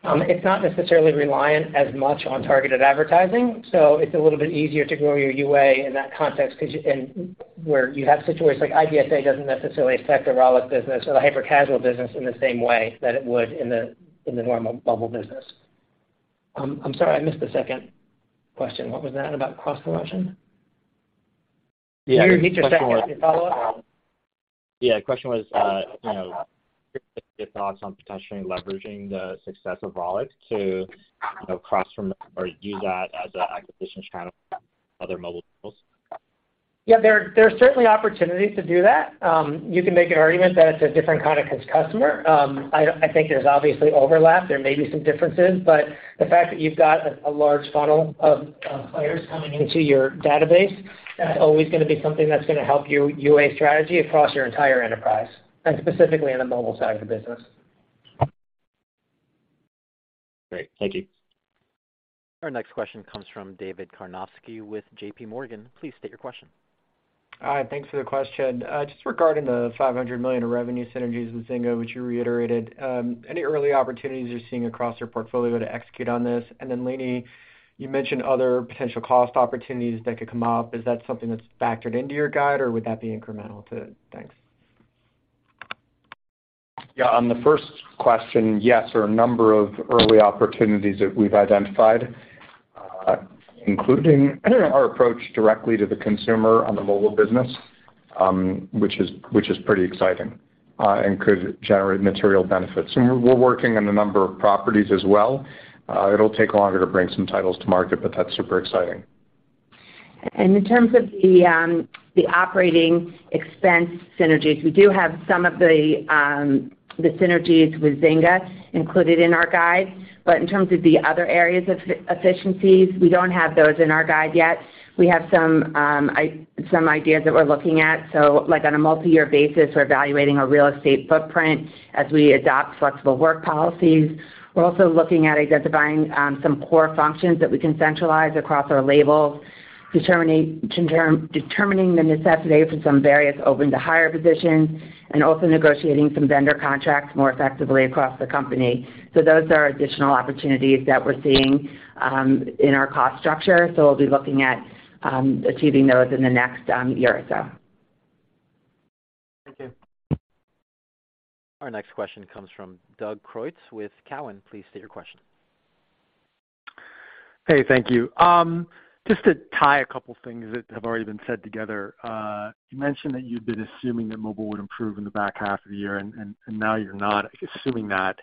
it's not necessarily reliant as much on targeted advertising, so it's a little bit easier to grow your UA in that context and where you have situations like IDFA doesn't necessarily affect the Rollic business or the hyper casual business in the same way that it would in the normal mobile business. I'm sorry, I missed the second question. What was that about cross-promotion? Yeah. Can you repeat your second question follow-up? Yeah. The question was, you know, your thoughts on potentially leveraging the success of Rollic to, you know, cross-promote or use that as an acquisition channel for other mobile titles. Yeah. There are certainly opportunities to do that. You can make an argument that it's a different kind of customer. I think there's obviously overlap. There may be some differences, but the fact that you've got a large funnel of players coming into your database, that's always gonna be something that's gonna help your UA strategy across your entire enterprise and specifically on the mobile side of the business. Great. Thank you. Our next question comes from David Karnovsky with J.P. Morgan. Please state your question. Hi. Thanks for the question. Just regarding the $500 million in revenue synergies with Zynga, which you reiterated, any early opportunities you're seeing across your portfolio to execute on this? Then Lainie, you mentioned other potential cost opportunities that could come up. Is that something that's factored into your guide or would that be incremental to it? Thanks. Yeah. On the first question, yes, there are a number of early opportunities that we've identified, including our approach directly to the consumer on the mobile business, which is pretty exciting, and could generate material benefits. We're working on a number of properties as well. It'll take longer to bring some titles to market, but that's super exciting. In terms of the operating expense synergies, we do have some of the synergies with Zynga included in our guide. In terms of the other areas of efficiencies, we don't have those in our guide yet. We have some ideas that we're looking at. Like on a multi-year basis, we're evaluating our real estate footprint as we adopt flexible work policies. We're also looking at identifying some core functions that we can centralize across our labels, determining the necessity for some various open to hire positions and also negotiating some vendor contracts more effectively across the company. Those are additional opportunities that we're seeing in our cost structure. We'll be looking at achieving those in the next year or so. Thank you. Our next question comes from Doug Creutz with Cowen. Please state your question. Hey, thank you. Just to tie a couple things that have already been said together, you mentioned that you've been assuming that mobile would improve in the back half of the year, and now you're not assuming that.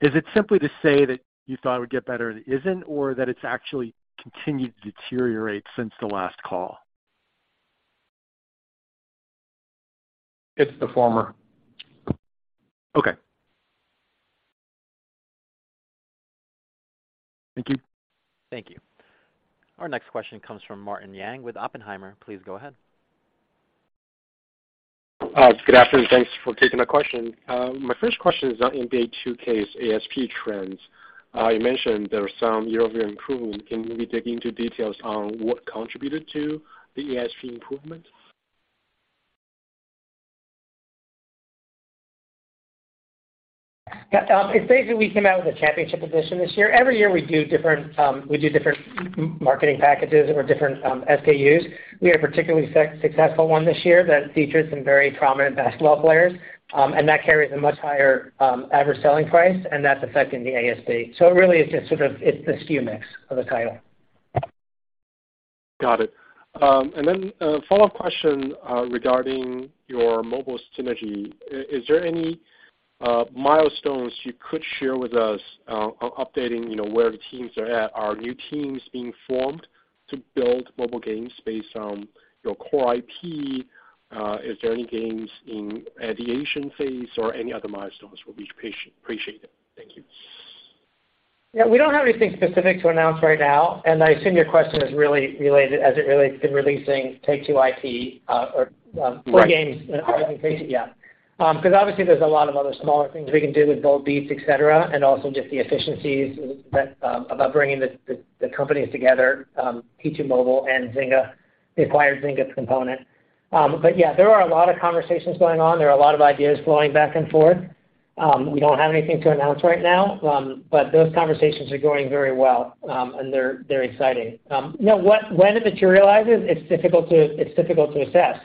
Is it simply to say that you thought it would get better and it isn't or that it's actually continued to deteriorate since the last call? It's the former. Okay. Thank you. Thank you. Our next question comes from Martin Yang with Oppenheimer. Please go ahead. Good afternoon. Thanks for taking my question. My first question is on NBA 2K's ASP trends. You mentioned there was some year-over-year improvement. Can you maybe dig into details on what contributed to the ASP improvement? Yeah. It's basically we came out with a championship edition this year. Every year we do different marketing packages or different SKUs. We had a particularly successful one this year that features some very prominent basketball players, and that carries a much higher average selling price, and that's affecting the ASP. Really it's just sort of, it's the SKU mix of the title. Got it. A follow-up question regarding your mobile synergy. Is there any milestones you could share with us on updating where the teams are at? Are new teams being formed to build mobile games based on your core IP? Is there any games in ideation phase or any other milestones will be appreciated. Thank you. Yeah, we don't have anything specific to announce right now, and I assume your question is really related as it relates to releasing Take-Two IP, core games. Right. in our increasing, yeah. 'Cause obviously there's a lot of other smaller things we can do with bold beats, et cetera, and also just the efficiencies that about bringing the companies together, T2 Mobile and Zynga, the acquired Zynga component. Yeah, there are a lot of conversations going on. There are a lot of ideas flowing back and forth. We don't have anything to announce right now, but those conversations are going very well, and they're exciting. When it materializes, it's difficult to assess.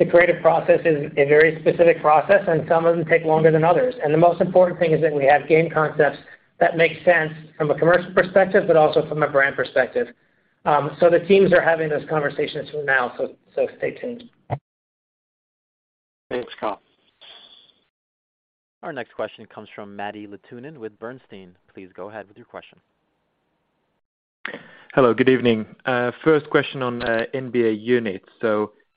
The creative process is a very specific process, and some of them take longer than others. The most important thing is that we have game concepts that make sense from a commercial perspective, but also from a brand perspective. The teams are having those conversations now, so stay tuned. Thanks, Karl Slatoff. Our next question comes from Matthew Thornton with Bernstein. Please go ahead with your question. Hello, good evening. First question on NBA units.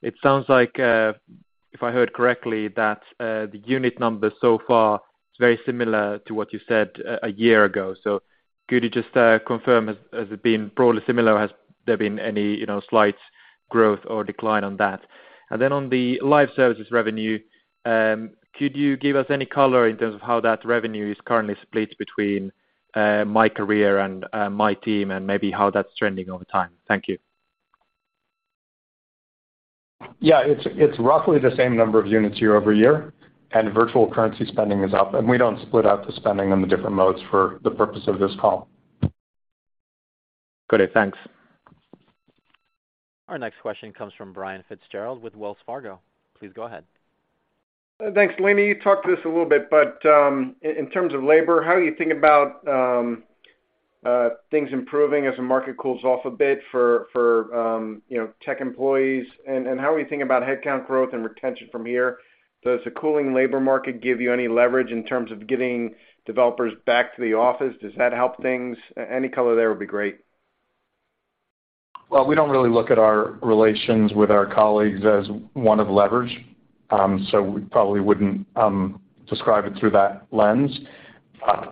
It sounds like, if I heard correctly, that the unit numbers so far is very similar to what you said a year ago. Could you just confirm, has it been broadly similar? Has there been any, you know, slight growth or decline on that? Then on the live services revenue, could you give us any color in terms of how that revenue is currently split between MyCareer and MyTeam and maybe how that's trending over time? Thank you. Yeah, it's roughly the same number of units year-over-year, and virtual currency spending is up, and we don't split out the spending on the different modes for the purpose of this call. Got it. Thanks. Our next question comes from Brian Fitzgerald with Wells Fargo. Please go ahead. Thanks. Lainie, you talked to this a little bit, but in terms of labor, how are you thinking about things improving as the market cools off a bit for you know, tech employees? How are you thinking about headcount growth and retention from here? Does the cooling labor market give you any leverage in terms of getting developers back to the office? Does that help things? Any color there would be great. Well, we don't really look at our relations with our colleagues as one of leverage. We probably wouldn't describe it through that lens.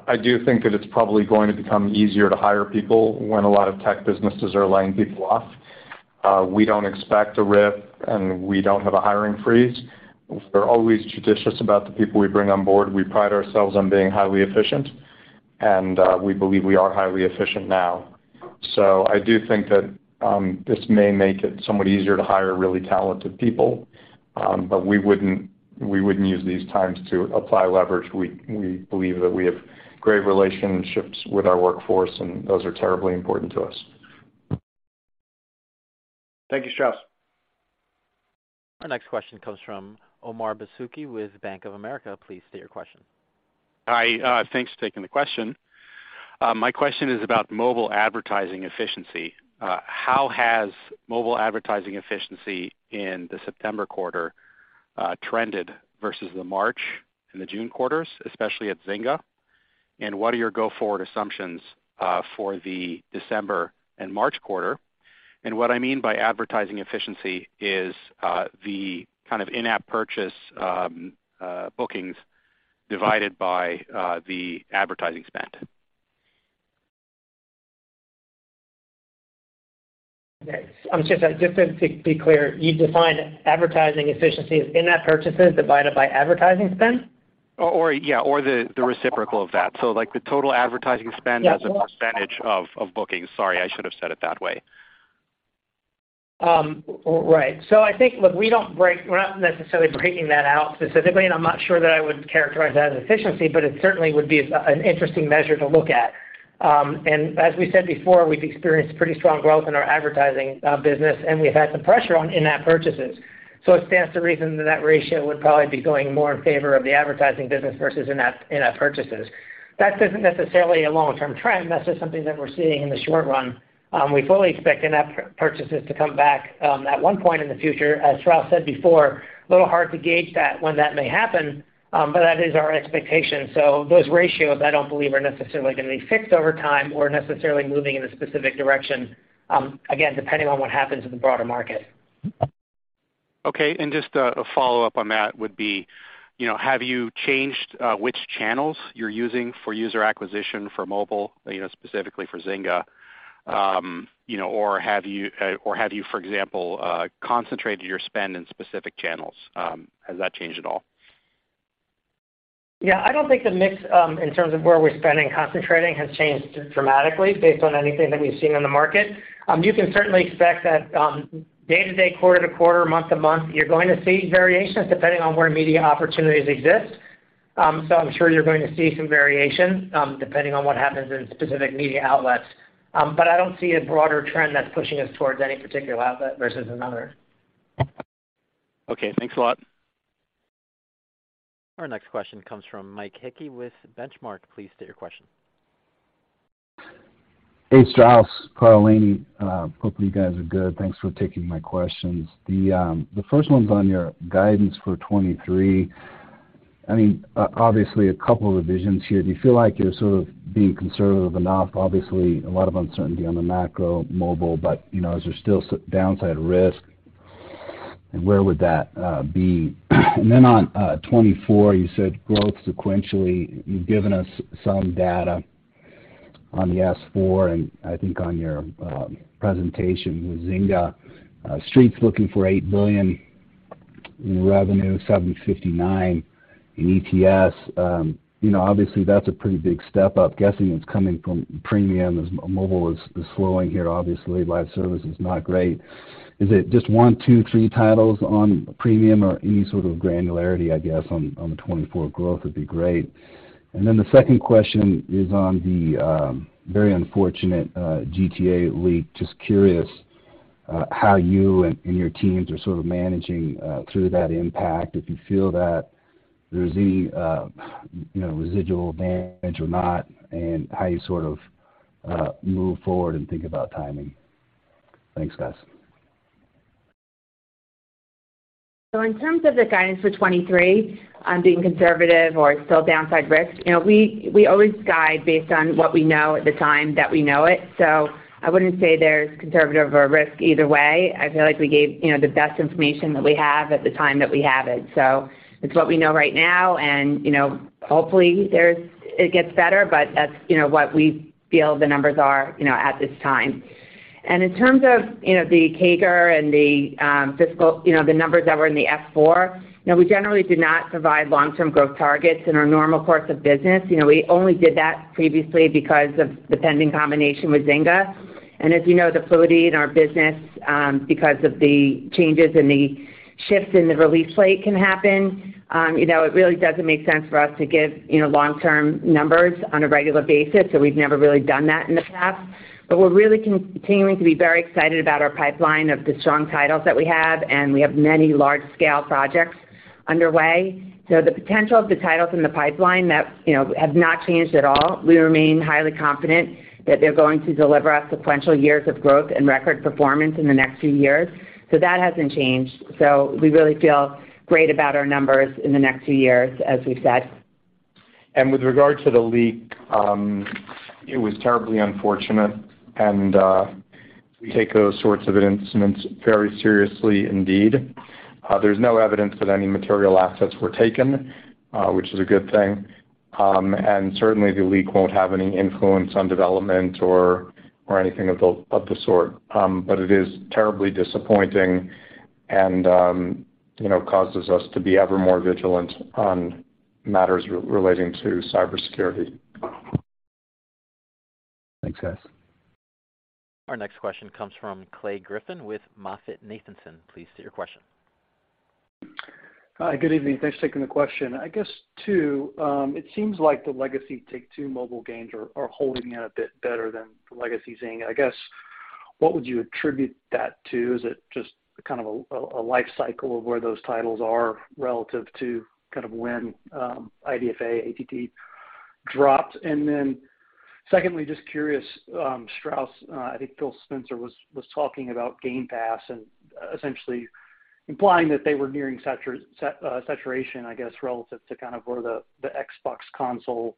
I do think that it's probably going to become easier to hire people when a lot of tech businesses are laying people off. We don't expect a rip, and we don't have a hiring freeze. We're always judicious about the people we bring on board. We pride ourselves on being highly efficient, and we believe we are highly efficient now. I do think that this may make it somewhat easier to hire really talented people, but we wouldn't use these times to apply leverage. We believe that we have great relationships with our workforce, and those are terribly important to us. Thank you, Strauss. Our next question comes from Omar Dessouky with Bank of America. Please state your question. Hi, thanks for taking the question. My question is about mobile advertising efficiency. How has mobile advertising efficiency in the September quarter trended versus the March and the June quarters, especially at Zynga? What are your go-forward assumptions for the December and March quarter? What I mean by advertising efficiency is the kind of in-app purchase bookings divided by the advertising spend. Okay. I'm sorry, just to be clear, you define advertising efficiency as in-app purchases divided by advertising spend? the reciprocal of that. Like the total advertising spend- Yeah. as a percentage of bookings. Sorry, I should have said it that way. Right. We're not necessarily breaking that out specifically, and I'm not sure that I would characterize that as efficiency, but it certainly would be an interesting measure to look at. As we said before, we've experienced pretty strong growth in our advertising business, and we've had some pressure on in-app purchases. It stands to reason that ratio would probably be going more in favor of the advertising business versus in-app purchases. That isn't necessarily a long-term trend. That's just something that we're seeing in the short run. We fully expect in-app purchases to come back at one point in the future. As Strauss said before, it's a little hard to gauge when that may happen, but that is our expectation. Those ratios I don't believe are necessarily gonna be fixed over time or necessarily moving in a specific direction, again, depending on what happens in the broader market. Okay. Just a follow-up on that would be, you know, have you changed which channels you're using for user acquisition for mobile, you know, specifically for Zynga? You know, or have you, for example, concentrated your spend in specific channels? Has that changed at all? Yeah. I don't think the mix in terms of where we're spending concentrating has changed dramatically based on anything that we've seen in the market. You can certainly expect that day to day, quarter to quarter, month to month, you're going to see variations depending on where media opportunities exist. I'm sure you're going to see some variation depending on what happens in specific media outlets. I don't see a broader trend that's pushing us towards any particular outlet versus another. Okay. Thanks a lot. Our next question comes from Mike Hickey with Benchmark. Please state your question. Hey, Strauss, Karl, Lainie. Hopefully you guys are good. Thanks for taking my questions. The first one's on your guidance for 2023. I mean, obviously a couple of revisions here. Do you feel like you're sort of being conservative enough? Obviously a lot of uncertainty on the macro mobile, but, you know, is there still downside risk? And where would that be? And then on 2024, you said growth sequentially, you've given us some data on the S-4, and I think on your presentation with Zynga, Street's looking for $8 billion in revenue, $7.59 in EPS. You know, obviously that's a pretty big step up. Guessing it's coming from premium as mobile is slowing here, obviously, live service is not great. Is it just one, two, three titles on premium or any sort of granularity, I guess, on the 2024 growth would be great. Then the second question is on the very unfortunate GTA leak. Just curious how you and your teams are sort of managing through that impact, if you feel that there's any, you know, residual damage or not, and how you sort of move forward and think about timing. Thanks, guys. In terms of the guidance for 2023 on being conservative or still downside risk, you know, we always guide based on what we know at the time that we know it. I wouldn't say there's conservative or risk either way. I feel like we gave, you know, the best information that we have at the time that we have it. It's what we know right now and, you know, hopefully it gets better, but that's, you know, what we feel the numbers are, you know, at this time. In terms of, you know, the CAGR and the fiscal, you know, the numbers that were in the S-4, you know, we generally do not provide long-term growth targets in our normal course of business. You know, we only did that previously because of the pending combination with Zynga. As you know, the fluidity in our business, because of the changes and the shifts in the release slate can happen, you know, it really doesn't make sense for us to give, you know, long-term numbers on a regular basis. We've never really done that in the past. We're really continuing to be very excited about our pipeline of the strong titles that we have, and we have many large scale projects underway. The potential of the titles in the pipeline that, you know, have not changed at all. We remain highly confident that they're going to deliver us sequential years of growth and record performance in the next few years. That hasn't changed. We really feel great about our numbers in the next few years, as we've said. With regard to the leak, it was terribly unfortunate and we take those sorts of incidents very seriously indeed. There's no evidence that any material assets were taken, which is a good thing. Certainly the leak won't have any influence on development or anything of the sort. It is terribly disappointing and you know, causes us to be ever more vigilant on matters relating to cybersecurity. Thanks, guys. Our next question comes from Clay Griffin with MoffettNathanson. Please state your question. Hi. Good evening. Thanks for taking the question. I guess too, it seems like the legacy Take-Two mobile games are holding out a bit better than the legacy Zynga. I guess, what would you attribute that to? Is it just kind of a life cycle of where those titles are relative to kind of when IDFA, ATT dropped? And then secondly, just curious, Strauss, I think Phil Spencer was talking about Game Pass and essentially implying that they were nearing saturation, I guess, relative to kind of where the Xbox console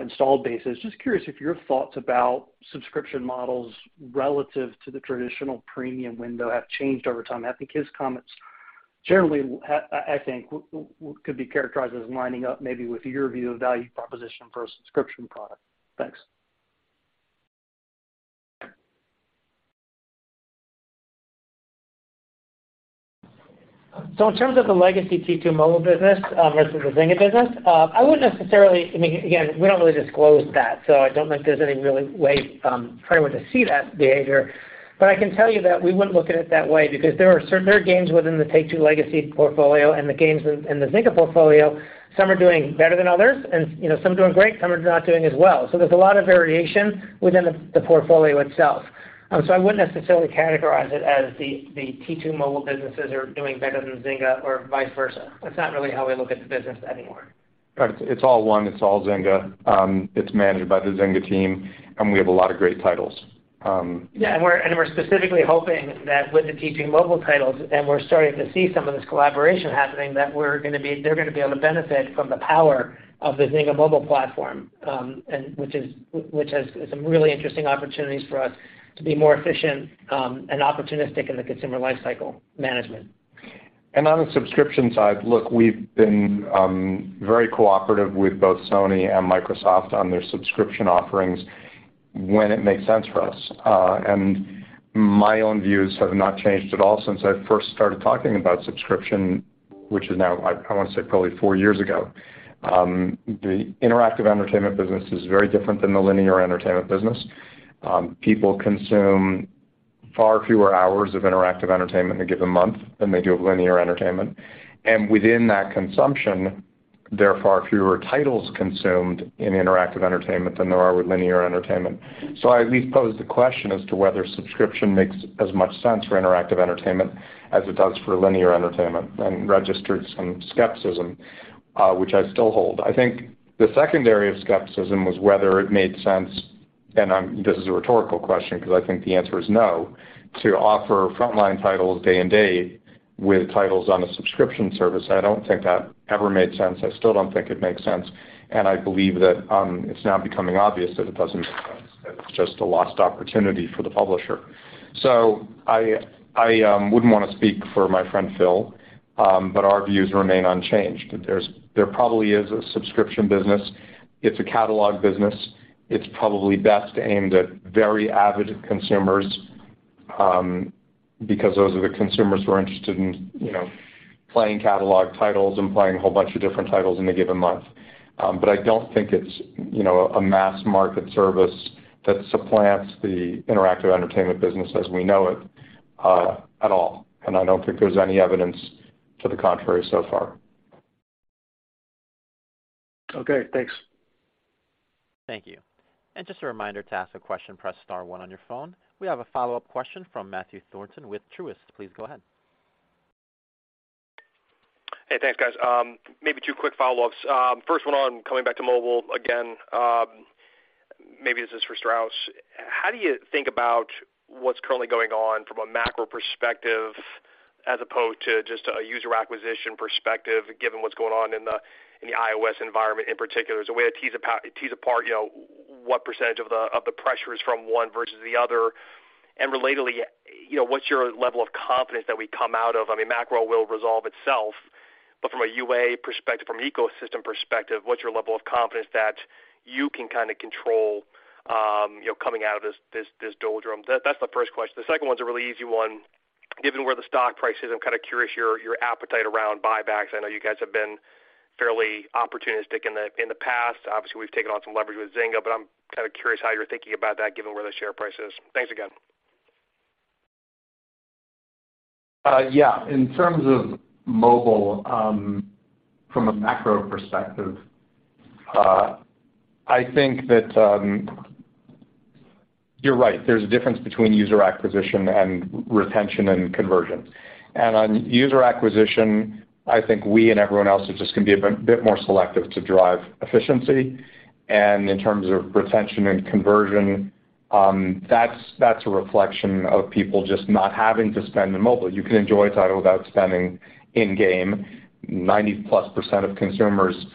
installed base is. Just curious if your thoughts about subscription models relative to the traditional premium window have changed over time. I think his comments generally could be characterized as lining up maybe with your view of value proposition for a subscription product. Thanks. In terms of the legacy T2 mobile business versus the Zynga business, I wouldn't necessarily. I mean, again, we don't really disclose that, so I don't think there's any real way for anyone to see that behavior. But I can tell you that we wouldn't look at it that way because there are games within the Take-Two legacy portfolio and the games in the Zynga portfolio. Some are doing better than others and, you know, some are doing great, some are not doing as well. So there's a lot of variation within the portfolio itself. So I wouldn't necessarily categorize it as the T2 mobile businesses are doing better than Zynga or vice versa. That's not really how we look at the business anymore. Right. It's all one, it's all Zynga. It's managed by the Zynga team, and we have a lot of great titles. Yeah. We're specifically hoping that with the T2 Mobile titles, we're starting to see some of this collaboration happening that they're gonna be able to benefit from the power of the Zynga mobile platform, which has some really interesting opportunities for us to be more efficient and opportunistic in the consumer lifecycle management. On the subscription side, look, we've been very cooperative with both Sony and Microsoft on their subscription offerings when it makes sense for us. My own views have not changed at all since I first started talking about subscription, which is now I wanna say probably four years ago. The interactive entertainment business is very different than the linear entertainment business. People consume far fewer hours of interactive entertainment in a given month than they do of linear entertainment. Within that consumption, there are far fewer titles consumed in interactive entertainment than there are with linear entertainment. I at least pose the question as to whether subscription makes as much sense for interactive entertainment as it does for linear entertainment, and registered some skepticism, which I still hold. I think the second area of skepticism was whether it made sense, and this is a rhetorical question 'cause I think the answer is no, to offer frontline titles day and date with titles on a subscription service. I don't think that ever made sense. I still don't think it makes sense, and I believe that it's now becoming obvious that it doesn't make sense, that it's just a lost opportunity for the publisher. I wouldn't wanna speak for my friend Phil, but our views remain unchanged. There probably is a subscription business. It's a catalog business. It's probably best aimed at very avid consumers, because those are the consumers who are interested in, you know, playing catalog titles and playing a whole bunch of different titles in a given month. I don't think it's, you know, a mass market service that supplants the interactive entertainment business as we know it, at all. I don't think there's any evidence to the contrary so far. Okay, thanks. Thank you. Just a reminder, to ask a question, press star one on your phone. We have a follow-up question from Matthew Thornton with Truist. Please go ahead. Hey, thanks, guys. Maybe two quick follow-ups. First one on coming back to mobile again. Maybe this is for Strauss. How do you think about what's currently going on from a macro perspective as opposed to just a user acquisition perspective given what's going on in the iOS environment in particular? Is there a way to tease apart, you know, what percentage of the pressure is from one versus the other? And relatedly, you know, what's your level of confidence that we come out of, I mean, macro will resolve itself, but from a UA perspective, from an ecosystem perspective, what's your level of confidence that you can kinda control, you know, coming out of this doldrums? That's the first question. The second one's a really easy one. Given where the stock price is, I'm kinda curious about your appetite around buybacks. I know you guys have been fairly opportunistic in the past. Obviously, we've taken on some leverage with Zynga, but I'm kinda curious how you're thinking about that given where the share price is. Thanks again. Yeah. In terms of mobile, from a macro perspective, I think that you're right. There's a difference between user acquisition and retention and conversion. On user acquisition, I think we and everyone else are just gonna be a bit more selective to drive efficiency. In terms of retention and conversion, that's a reflection of people just not having to spend in mobile. You can enjoy a title without spending in-game. 90%+ of consumers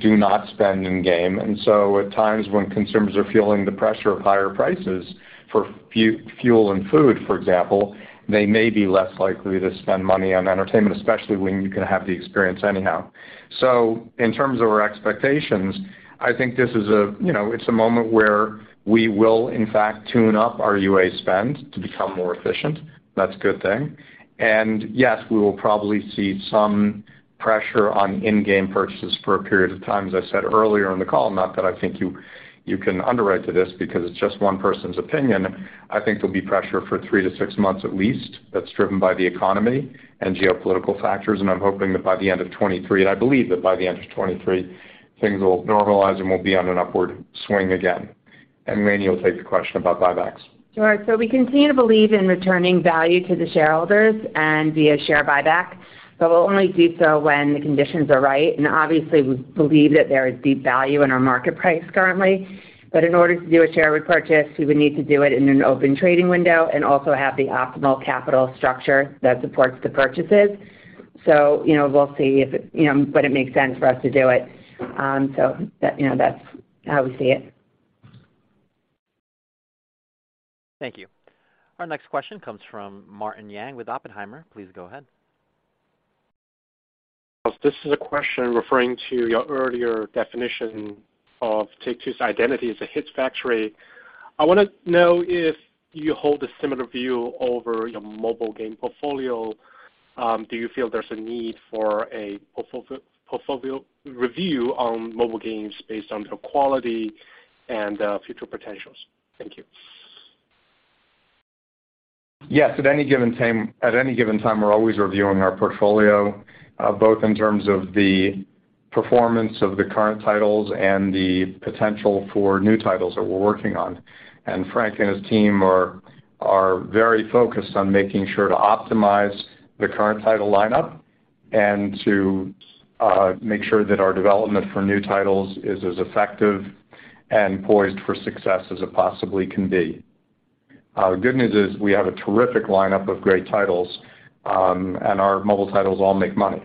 do not spend in-game. At times when consumers are feeling the pressure of higher prices for fuel and food, for example, they may be less likely to spend money on entertainment, especially when you can have the experience anyhow. In terms of our expectations, I think this is a, you know, it's a moment where we will in fact tune up our UA spend to become more efficient. That's a good thing. Yes, we will probably see some pressure on in-game purchases for a period of time, as I said earlier in the call. Not that I think you can underwrite to this because it's just one person's opinion. I think there'll be pressure for three to six months at least that's driven by the economy and geopolitical factors, and I'm hoping that by the end of 2023, and I believe that by the end of 2023, things will normalize and we'll be on an upward swing again. Lainie will take the question about buybacks. Sure. We continue to believe in returning value to the shareholders and via share buyback, but we'll only do so when the conditions are right. Obviously we believe that there is deep value in our market price currently. In order to do a share repurchase, we would need to do it in an open trading window and also have the optimal capital structure that supports the purchases. You know, we'll see if it, you know, whether it makes sense for us to do it. You know, that's how we see it. Thank you. Our next question comes from Martin Yang with Oppenheimer. Please go ahead. This is a question referring to your earlier definition of Take-Two's identity as a hits factory. I wanna know if you hold a similar view over your mobile game portfolio. Do you feel there's a need for a portfolio review on mobile games based on the quality and future potentials? Thank you. Yes. At any given time, we're always reviewing our portfolio, both in terms of the performance of the current titles and the potential for new titles that we're working on. Frank and his team are very focused on making sure to optimize the current title lineup and to make sure that our development for new titles is as effective and poised for success as it possibly can be. The good news is we have a terrific lineup of great titles, and our mobile titles all make money.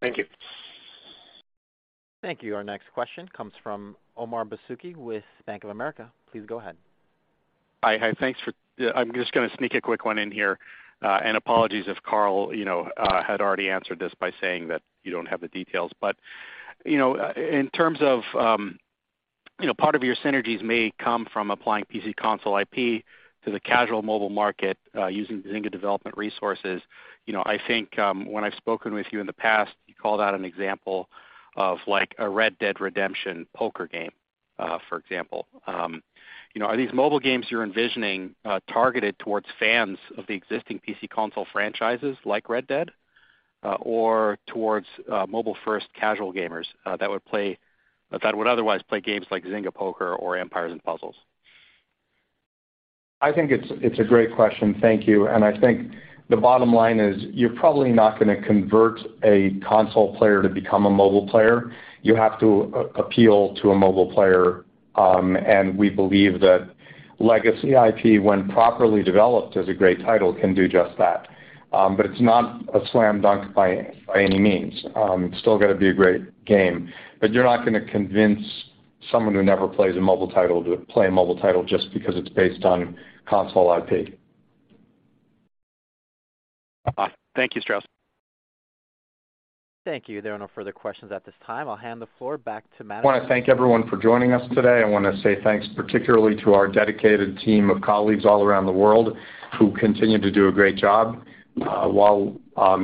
Thank you. Thank you. Our next question comes from Omar Dessouky with Bank of America. Please go ahead. Yeah, I'm just gonna sneak a quick one in here. Apologies if Karl, you know, had already answered this by saying that you don't have the details. You know, in terms of, you know, part of your synergies may come from applying PC console IP to the casual mobile market, using Zynga development resources. You know, I think, when I've spoken with you in the past, you called out an example of, like, a Red Dead Redemption poker game, for example. You know, are these mobile games you're envisioning targeted towards fans of the existing PC console franchises like Red Dead, or towards mobile-first casual gamers that would otherwise play games like Zynga Poker or Empires & Puzzles? I think it's a great question. Thank you. I think the bottom line is you're probably not gonna convert a console player to become a mobile player. You have to appeal to a mobile player. We believe that legacy IP, when properly developed as a great title, can do just that. It's not a slam dunk by any means. It's still gotta be a great game. You're not gonna convince someone who never plays a mobile title to play a mobile title just because it's based on console IP. Thank you, Strauss. Thank you. There are no further questions at this time. I'll hand the floor back to management. I wanna thank everyone for joining us today. I wanna say thanks particularly to our dedicated team of colleagues all around the world who continue to do a great job. While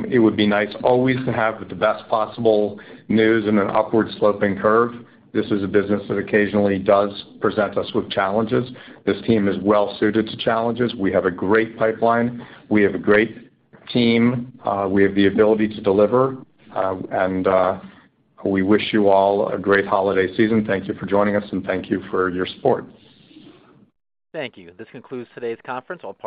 it would be nice always to have the best possible news in an upward-sloping curve, this is a business that occasionally does present us with challenges. This team is well suited to challenges. We have a great pipeline. We have a great team. We have the ability to deliver. We wish you all a great holiday season. Thank you for joining us, and thank you for your support. Thank you. This concludes today's conference. All